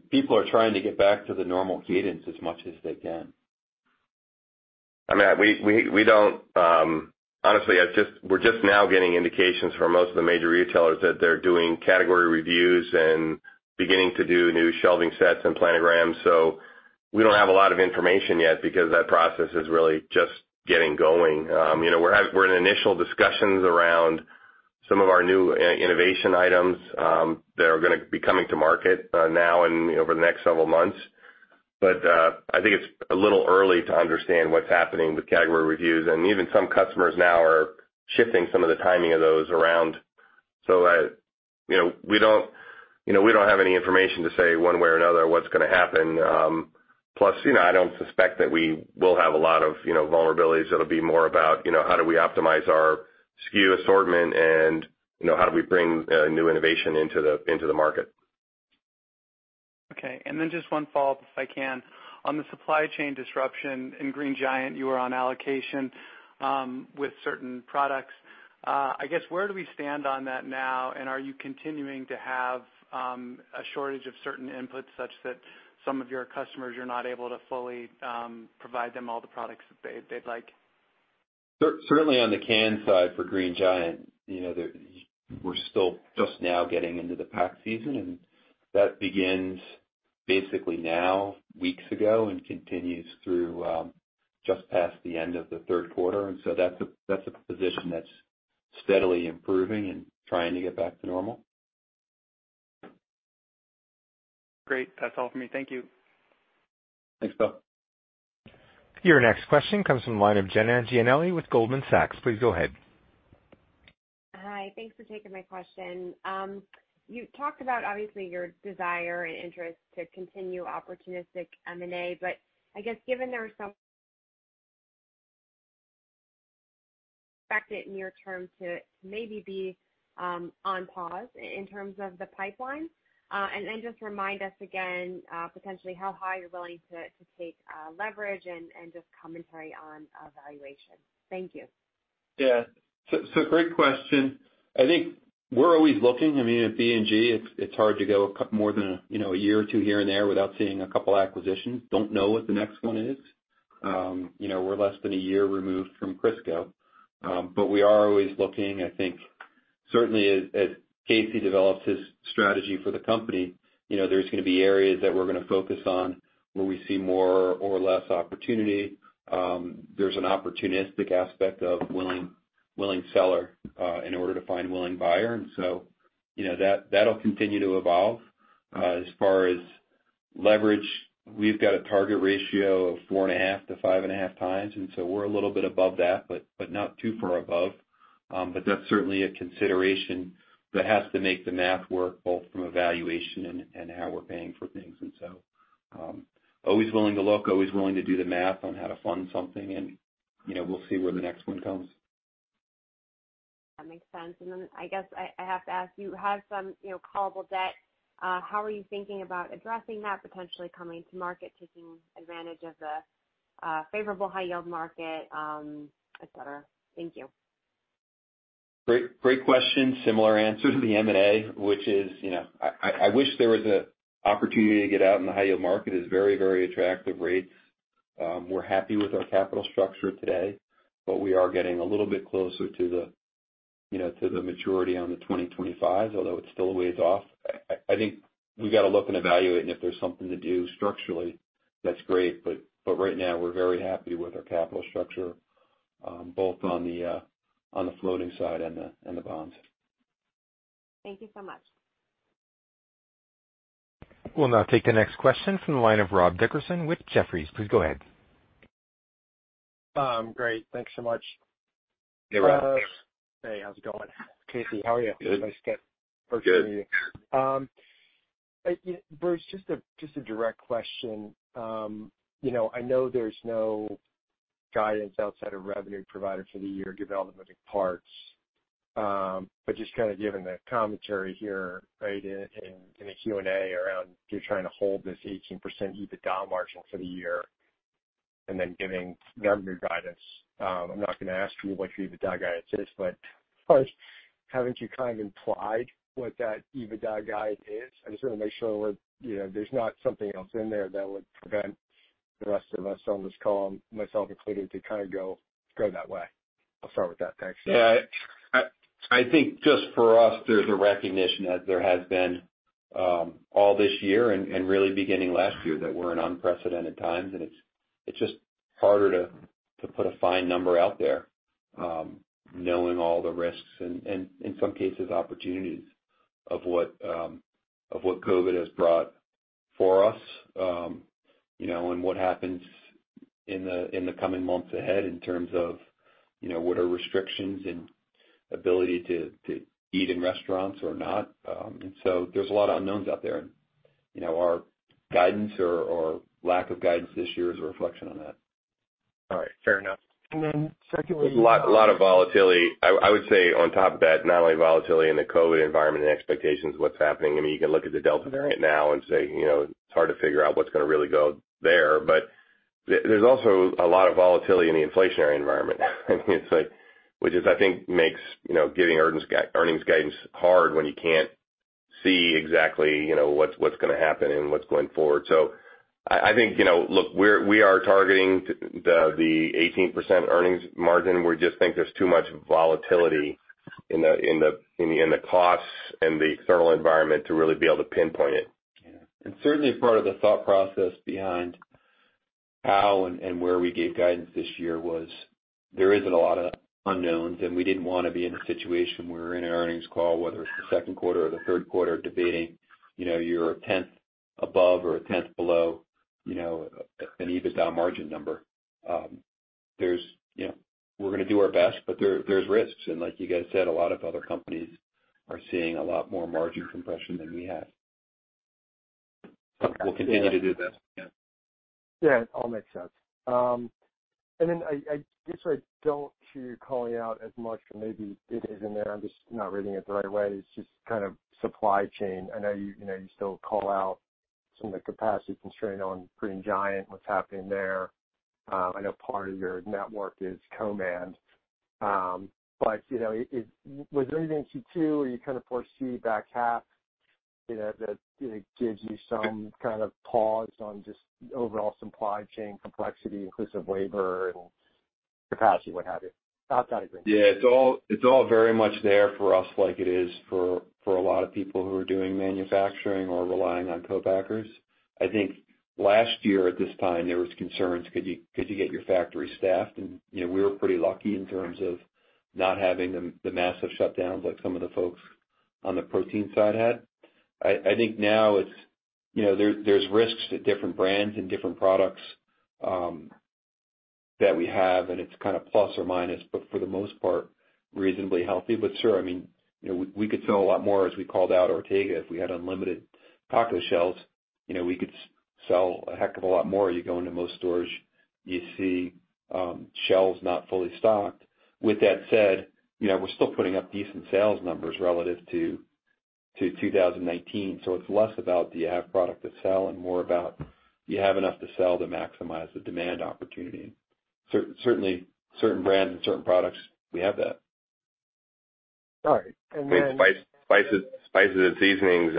People are trying to get back to the normal cadence as much as they can. Honestly, we're just now getting indications from most of the major retailers that they're doing category reviews and beginning to do new shelving sets and planograms. We don't have a lot of information yet because that process is really just getting going. We're in initial discussions around some of our new innovation items that are going to be coming to market now and over the next several months. I think it's a little early to understand what's happening with category reviews, and even some customers now are shifting some of the timing of those around. We don't have any information to say one way or another what's going to happen. Plus, I don't suspect that we will have a lot of vulnerabilities. It'll be more about how do we optimize our SKU assortment and how do we bring new innovation into the market. Okay. Just one follow-up, if I can. On the supply chain disruption in Green Giant, you were on allocation with certain products. I guess, where do we stand on that now, and are you continuing to have a shortage of certain inputs such that some of your customers, you're not able to fully provide them all the products that they'd like? Certainly on the canned side for Green Giant, we're still just now getting into the pack season, and that begins basically now, weeks ago, and continues through just past the end of the third quarter. That's a position that's steadily improving and trying to get back to normal. Great. That's all for me. Thank you. Thanks, Bill. Your next question comes from the line of Jenna Giannelli with Goldman Sachs. Please go ahead. Hi. Thanks for taking my question. You talked about, obviously, your desire and interest to continue opportunistic M&A, but I guess given there are some expect it near term to maybe be on pause in terms of the pipeline. Just remind us again, potentially how high you're willing to take leverage and just commentary on valuation. Thank you. Yeah. Great question. I think we're always looking. At B&G, it's hard to go more than a year or two here and there without seeing a couple acquisitions. Don't know what the next one is. We're less than a year removed from Crisco. We are always looking. I think certainly as Casey develops his strategy for the company, there's going to be areas that we're going to focus on where we see more or less opportunity. There's an opportunistic aspect of willing seller in order to find willing buyer, and so that'll continue to evolve. As far as leverage, we've got a target ratio of 4.5x to 5.5x, and so we're a little bit above that, but not too far above. That's certainly a consideration that has to make the math work, both from a valuation and how we're paying for things. Always willing to look, always willing to do the math on how to fund something, and we'll see where the next one comes. That makes sense. I guess I have to ask, you have some callable debt. How are you thinking about addressing that, potentially coming to market, taking advantage of the favorable high-yield market, et cetera? Thank you. Great question. Similar answer to the M&A, which is, I wish there was an opportunity to get out in the high-yield market at very attractive rates. We're happy with our capital structure today, but we are getting a little bit closer to the maturity on the 2025, although it's still a ways off. I think we've got to look and evaluate, and if there's something to do structurally, that's great, but right now, we're very happy with our capital structure, both on the floating side and the bonds. Thank you so much. We'll now take the next question from the line of Rob Dickerson with Jefferies. Please go ahead. Great. Thanks so much. Hey, Rob. Hey, how's it going, Casey? How are you? Good. Nice to get virtually with you. Good. Bruce, just a direct question. I know there's no guidance outside of revenue provided for the year given all the moving parts. Just kind of given the commentary here, in the Q&A around you're trying to hold this 18% EBITDA margin for the year, and then giving revenue guidance. I'm not gonna ask you what your EBITDA guidance is, but first, haven't you kind of implied what that EBITDA guide is? I just want to make sure there's not something else in there that would prevent the rest of us on this call, myself included, to kind of go that way. I'll start with that. Thanks. Yeah. I think just for us, there's a recognition, as there has been all this year and really beginning last year, that we're in unprecedented times. It's just harder to put a fine number out there knowing all the risks and in some cases, opportunities of what COVID-19 has brought for us. What happens in the coming months ahead in terms of what are restrictions and ability to eat in restaurants or not. There's a lot of unknowns out there. Our guidance or lack of guidance this year is a reflection on that. All right. Fair enough. Secondly. A lot of volatility. I would say on top of that, not only volatility in the COVID-19 environment and expectations, what's happening, you can look at the Delta variant now and say, it's hard to figure out what's gonna really go there. There's also a lot of volatility in the inflationary environment which is, I think, makes giving earnings guidance hard when you can't see exactly what's gonna happen and what's going forward. I think, look, we are targeting the 18% earnings margin. We just think there's too much volatility in the costs and the external environment to really be able to pinpoint it. Yeah. Certainly part of the thought process behind how and where we gave guidance this year was there isn't a lot of unknowns, and we didn't want to be in a situation where we're in an earnings call, whether it's the second quarter or the third quarter, debating you're a 10th above or a 10th below an EBITDA margin number. We're gonna do our best, but there's risks. Like you guys said, a lot of other companies are seeing a lot more margin compression than we have. Okay. We'll continue to do the best we can. Yeah, it all makes sense. I guess I don't hear you calling out as much, or maybe it is in there, I'm just not reading it the right way, it's just kind of supply chain. I know you still call out some of the capacity constraint on Green Giant, what's happening there. I know part of your network is Co-Man. Was there anything in Q2 or you kind of foresee back half that gives you some kind of pause on just overall supply chain complexity, inclusive labor and capacity, what have you? Outside of Green. Yeah. It's all very much there for us like it is for a lot of people who are doing manufacturing or relying on co-packers. I think last year at this time, there was concerns could you get your factory staffed? We were pretty lucky in terms of not having the massive shutdowns like some of the folks on the protein side had. I think now there's risks to different brands and different products that we have, and it's kind of plus or minus, but for the most part, reasonably healthy. Sure, we could sell a lot more, as we called out Ortega, if we had unlimited taco shells. We could sell a heck of a lot more. You go into most stores, you see shelves not fully stocked. With that said, we're still putting up decent sales numbers relative to 2019. It's less about do you have product to sell and more about, do you have enough to sell to maximize the demand opportunity? Certainly, certain brands and certain products, we have that. All right. With spices and seasonings,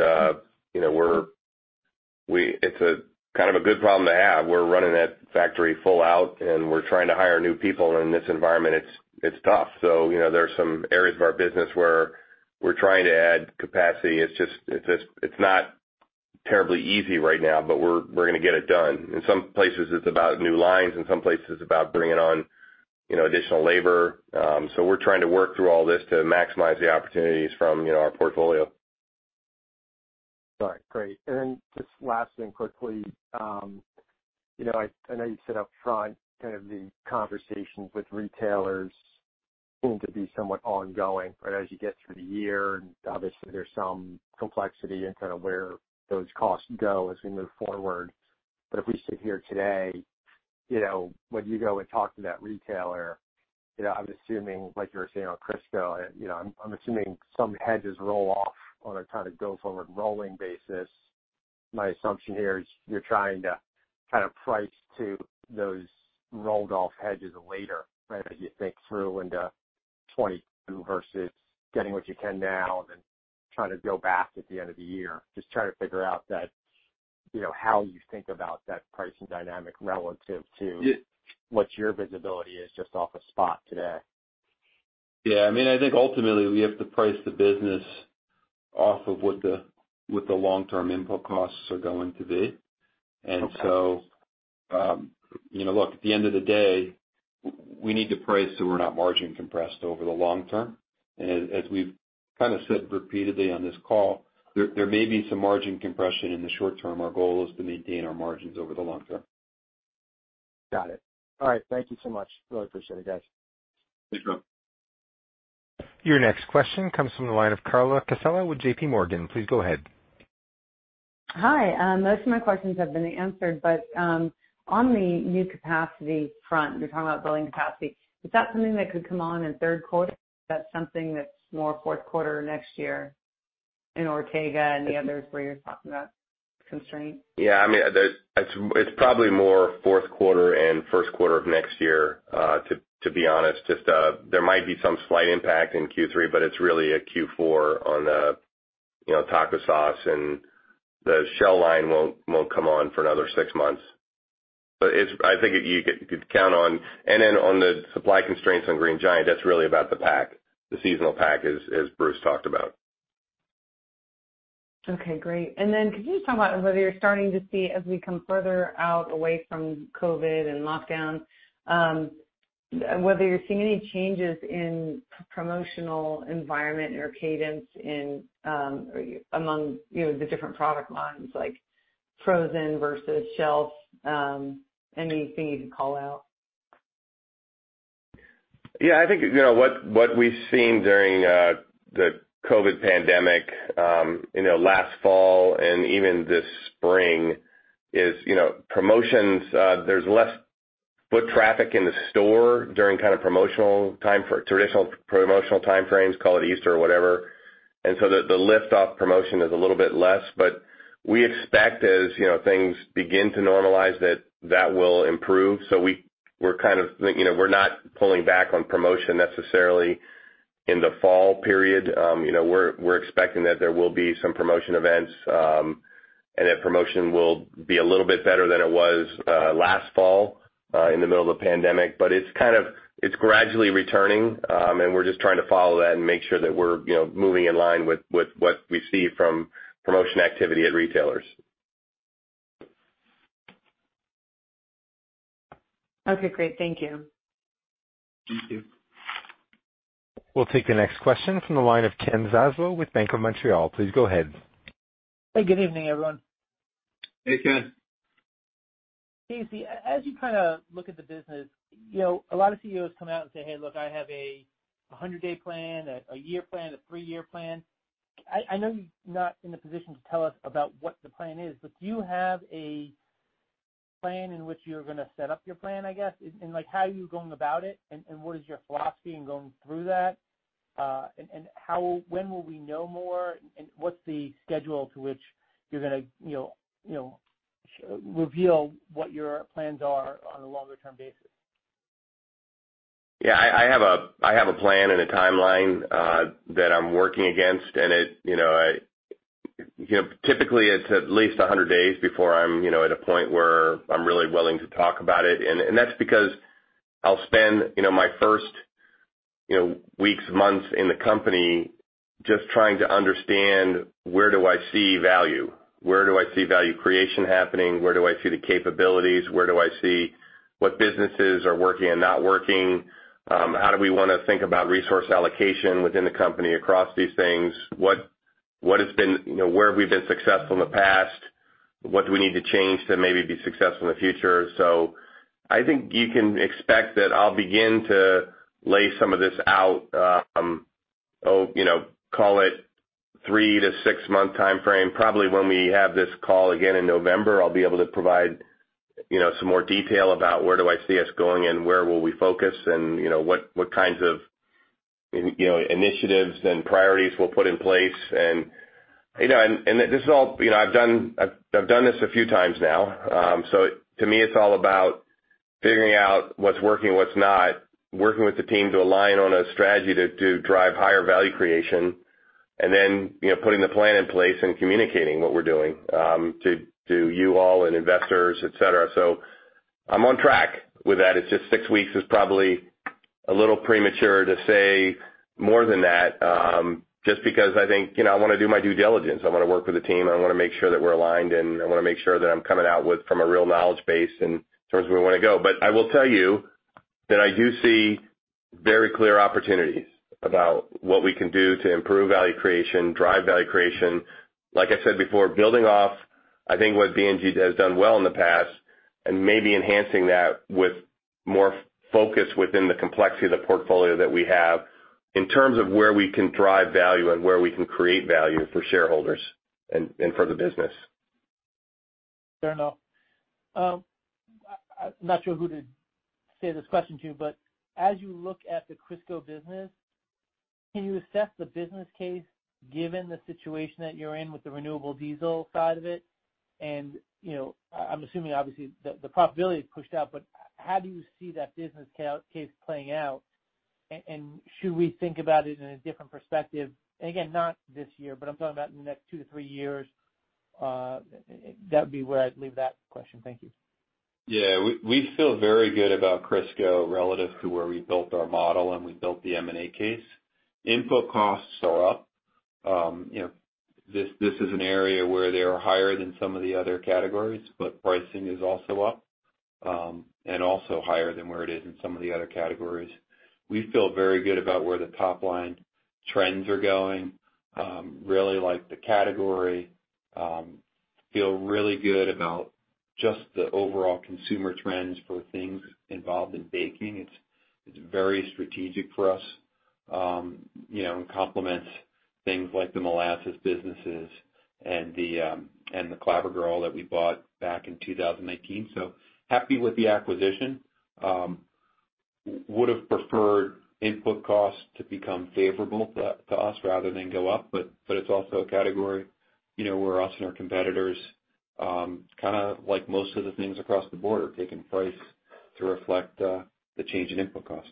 it's a good problem to have. We're running that factory full out, and we're trying to hire new people in this environment. It's tough. There are some areas of our business where we're trying to add capacity. It's not terribly easy right now, but we're going to get it done. In some places, it's about new lines. In some places, it's about bringing on additional labor. We're trying to work through all this to maximize the opportunities from our portfolio. All right. Great. Just last thing quickly. I know you said up front, the conversations with retailers seem to be somewhat ongoing, but as you get through the year, and obviously there's some complexity in where those costs go as we move forward. If we sit here today, when you go and talk to that retailer, I'm assuming, like you were saying on Crisco, I'm assuming some hedges roll off on a go-forward rolling basis. My assumption here is you're trying to price to those rolled-off hedges later as you think through into 2022 versus getting what you can now and then trying to go back at the end of the year. Just trying to figure out how you think about that pricing dynamic relative to what your visibility is just off a spot today. Yeah. I think ultimately we have to price the business off of what the long-term input costs are going to be. Okay. Look, at the end of the day, we need to price so we're not margin-compressed over the long term. As we've said repeatedly on this call, there may be some margin compression in the short term. Our goal is to maintain our margins over the long term. Got it. All right. Thank you so much. Really appreciate it, guys. Thanks, Rob. Your next question comes from the line of Carla Casella with JP Morgan. Please go ahead. Hi. Most of my questions have been answered, but on the new capacity front, you're talking about building capacity. Is that something that could come on in third quarter? Is that something that's more fourth quarter or next year in Ortega and the others where you're talking about constraint? Yeah. It's probably more fourth quarter and first quarter of next year, to be honest. Just there might be some slight impact in Q3, but it's really a Q4 on taco sauce, and the shell line won't come on for another six months. I think you could count on the supply constraints on Green Giant, that's really about the pack, the seasonal pack, as Bruce talked about. Okay, great. Could you just talk about whether you're starting to see as we come further out away from COVID and lockdowns, whether you're seeing any changes in promotional environment or cadence among the different product lines, like frozen versus shelf? Anything you can call out? Yeah, I think what we've seen during the COVID-19 pandemic last fall and even this spring is promotions, there's less foot traffic in the store during traditional promotional time frames, call it Easter or whatever. The lift off promotion is a little bit less, but we expect as things begin to normalize that that will improve. We're not pulling back on promotion necessarily in the fall period. We're expecting that there will be some promotion events, and that promotion will be a little bit better than it was last fall in the middle of the pandemic. It's gradually returning, and we're just trying to follow that and make sure that we're moving in line with what we see from promotion activity at retailers. Okay, great. Thank you. Thank you. We'll take the next question from the line of Ken Zaslow with Bank of Montreal. Please go ahead. Hey, good evening, everyone. Hey, Ken. Casey, as you look at the business, a lot of CEOs come out and say, "Hey, look, I have a 100-day plan, a year plan, a three-year plan." I know you're not in a position to tell us about what the plan is, but do you have a plan in which you're going to set up your plan, I guess? How are you going about it, and what is your philosophy in going through that? When will we know more? What's the schedule to which you're going to reveal what your plans are on a longer-term basis? Yeah, I have a plan and a timeline that I'm working against, typically it's at least 100 days before I'm at a point where I'm really willing to talk about it. That's because I'll spend my first weeks, months in the company, just trying to understand where do I see value? Where do I see value creation happening? Where do I see the capabilities? Where do I see what businesses are working and not working? How do we want to think about resource allocation within the company across these things? Where have we been successful in the past? What do we need to change to maybe be successful in the future? I think you can expect that I'll begin to lay some of this out, call it three to six-month time-frame. Probably when we have this call again in November, I'll be able to provide some more detail about where do I see us going and where will we focus and what kinds of initiatives and priorities we'll put in place. I've done this a few times now. To me, it's all about figuring out what's working, what's not, working with the team to align on a strategy to drive higher value creation, and then putting the plan in place and communicating what we're doing to you all and investors, et cetera. I'm on track with that. It's just 6 weeks is probably a little premature to say more than that, just because I think I want to do my due diligence. I want to work with the team, and I want to make sure that we're aligned, and I want to make sure that I'm coming out with from a real knowledge base in terms of where we want to go. I will tell you that I do see very clear opportunities about what we can do to improve value creation, drive value creation. Like I said before, building off, I think what B&G has done well in the past, and maybe enhancing that with more focus within the complexity of the portfolio that we have in terms of where we can drive value and where we can create value for shareholders and for the business. Fair enough. I'm not sure who to say this question to, but as you look at the Crisco business, can you assess the business case, given the situation that you're in with the renewable diesel side of it? I'm assuming, obviously, the profitability is pushed out, but how do you see that business case playing out? Should we think about it in a different perspective? Again, not this year, but I'm talking about in the next 2-3 years. That'd be where I'd leave that question. Thank you. We feel very good about Crisco relative to where we built our model and we built the M&A case. Input costs are up. This is an area where they are higher than some of the other categories, but pricing is also up, and also higher than where it is in some of the other categories. We feel very good about where the top-line trends are going. Really like the category. Feel really good about just the overall consumer trends for things involved in baking. It's very strategic for us, and complements things like the molasses businesses and the Clabber Girl that we bought back in 2019. Happy with the acquisition. Would've preferred input costs to become favorable to us rather than go up, but it's also a category where us and our competitors, kind of like most of the things across the board, are taking price to reflect the change in input costs.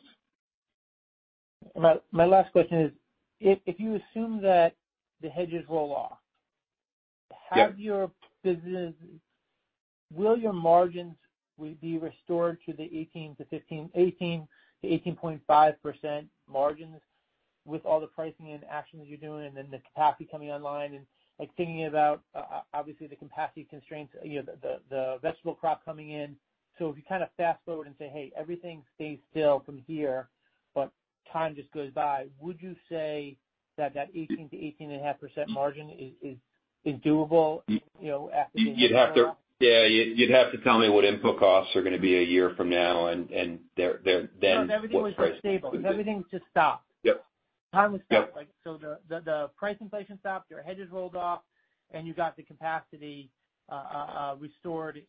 My last question is, if you assume that the hedges roll off? Yeah Will your margins be restored to the 18% to 18.5% margins with all the pricing and actions you're doing and then the capacity coming online? Thinking about, obviously, the capacity constraints, the vegetable crop coming in, if you kind of fast-forward and say, "Hey, everything stays still from here, but time just goes by," would you say that that 18% to 18.5% margin is doable after the hedge rolls off? Yeah. You'd have to tell me what input costs are going to be a year from now and then what price- No, if everything was stable. If everything just stopped. Yep. Time was stopped. The price inflation stopped, your hedges rolled off, and you got the capacity restored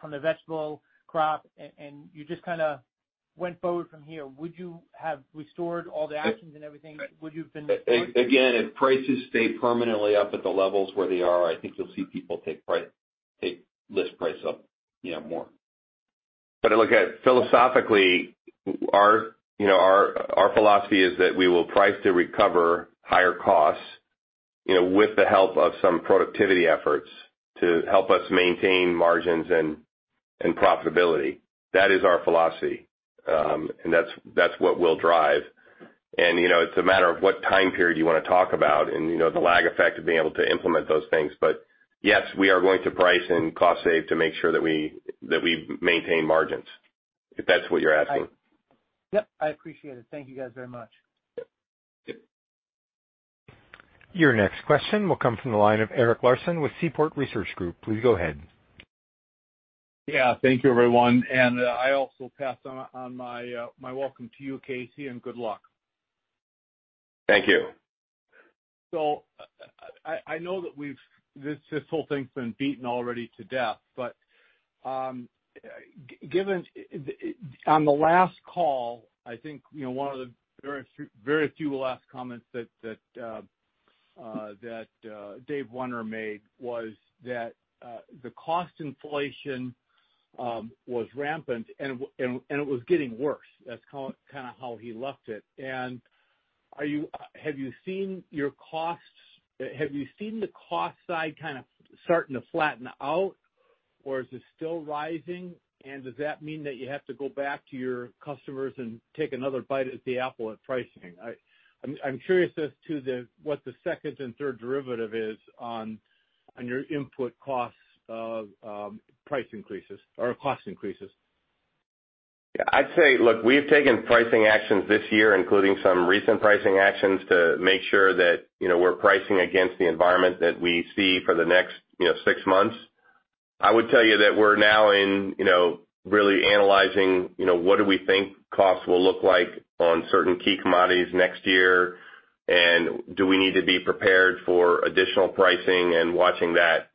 from the vegetable crop, and you just kind of went forward from here. Would you have restored all the actions and everything? Would you have been- If prices stay permanently up at the levels where they are, I think you'll see people take list price up more. Philosophically, our philosophy is that we will price to recover higher costs with the help of some productivity efforts to help us maintain margins and profitability. That is our philosophy, and that's what we'll drive. It's a matter of what time period you want to talk about and the lag effect of being able to implement those things. Yes, we are going to price and cost save to make sure that we maintain margins, if that's what you're asking. Yep. I appreciate it. Thank you guys very much. Yep. Your next question will come from the line of Eric Larson with Seaport Global. Please go ahead. Yeah. Thank you, everyone, and I also pass on my welcome to you, Casey, and good luck. Thank you. I know that this whole thing's been beaten already to death, but on the last call, I think one of the very few last comments that Dave Wenner made was that the cost inflation was rampant, and it was getting worse. That's kind of how he left it. Have you seen the cost side kind of starting to flatten out, or is it still rising? Does that mean that you have to go back to your customers and take another bite at the apple at pricing? I'm curious as to what the second and third derivative is on your input costs price increases or cost increases. I'd say, look, we've taken pricing actions this year, including some recent pricing actions to make sure that we're pricing against the environment that we see for the next six months. I would tell you that we're now in really analyzing what do we think costs will look like on certain key commodities next year, and do we need to be prepared for additional pricing and watching that.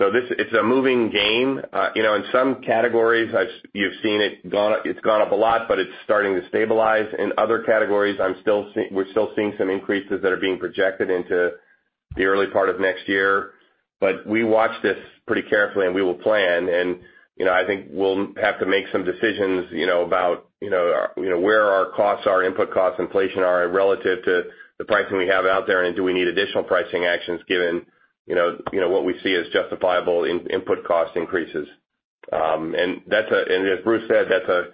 It's a moving game. In some categories, you've seen it's gone up a lot, but it's starting to stabilize. In other categories, we're still seeing some increases that are being projected into the early part of next year. We watch this pretty carefully, and we will plan. I think we'll have to make some decisions about where our costs are, input costs, inflation are, relative to the pricing we have out there, and do we need additional pricing actions given what we see as justifiable input cost increases. As Bruce Wacha said, that's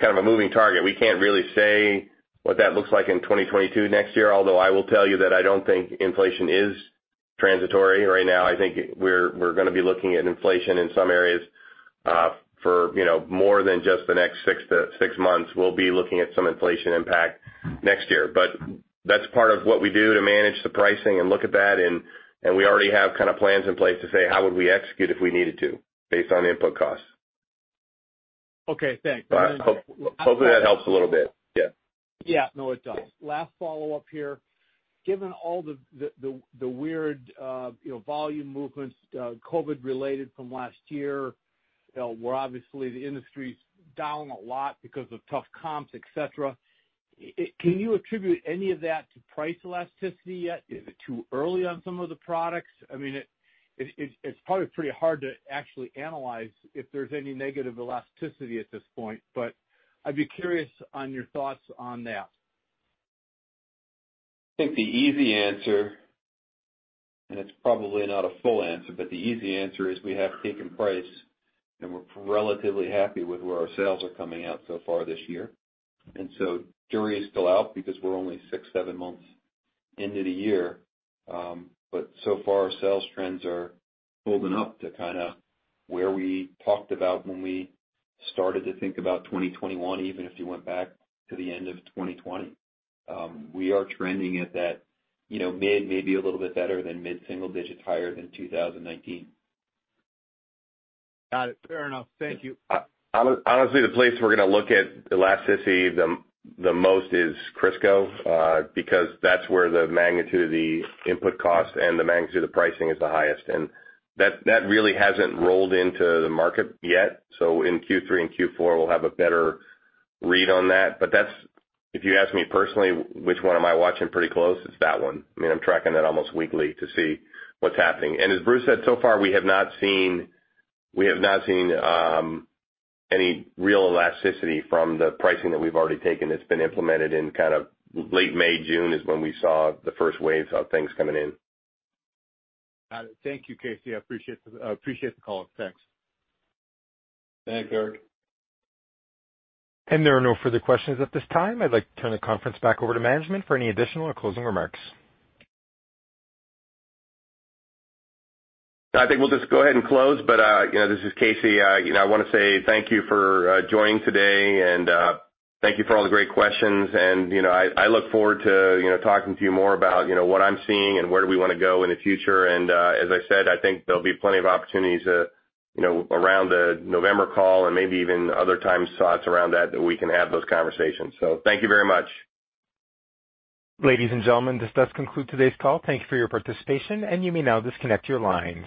kind of a moving target. We can't really say what that looks like in 2022 next year, although I will tell you that I don't think inflation is transitory right now. I think we're going to be looking at inflation in some areas for more than just the next 6 months. We'll be looking at some inflation impact next year. That's part of what we do to manage the pricing and look at that, and we already have kind of plans in place to say, "How would we execute if we needed to based on input costs? Okay, thanks. Hopefully that helps a little bit. Yeah. Yeah. No, it does. Last follow-up here. Given all the weird volume movements, COVID-related from last year, where obviously the industry's down a lot because of tough comps, et cetera, can you attribute any of that to price elasticity yet? Is it too early on some of the products? It's probably pretty hard to actually analyze if there's any negative elasticity at this point, but I'd be curious on your thoughts on that. I think the easy answer, and it's probably not a full answer, but the easy answer is we have taken price and we're relatively happy with where our sales are coming out so far this year. Jury is still out because we're only six, seven months into the year. So far, our sales trends are holding up to kind of where we talked about when we started to think about 2021, even if you went back to the end of 2020. We are trending at that mid, maybe a little bit better than mid-single digits, higher than 2019. Got it. Fair enough. Thank you. Honestly, the place we're going to look at elasticity the most is Crisco, because that's where the magnitude of the input cost and the magnitude of the pricing is the highest. That really hasn't rolled into the market yet. In Q3 and Q4, we'll have a better read on that. If you ask me personally which one am I watching pretty close, it's that one. I'm tracking that almost weekly to see what's happening. As Bruce said, so far, we have not seen any real elasticity from the pricing that we've already taken that's been implemented in kind of late May, June is when we saw the first waves of things coming in. Got it. Thank you, Casey Keller. I appreciate the call. Thanks. Thanks, Eric. There are no further questions at this time. I'd like to turn the conference back over to management for any additional or closing remarks. I think we'll just go ahead and close. This is Casey. I want to say thank you for joining today, and thank you for all the great questions. I look forward to talking to you more about what I'm seeing and where do we want to go in the future. As I said, I think there'll be plenty of opportunities around the November call and maybe even other time slots around that we can have those conversations. Thank you very much. Ladies and gentlemen, this does conclude today's call. Thank you for your participation, and you may now disconnect your lines.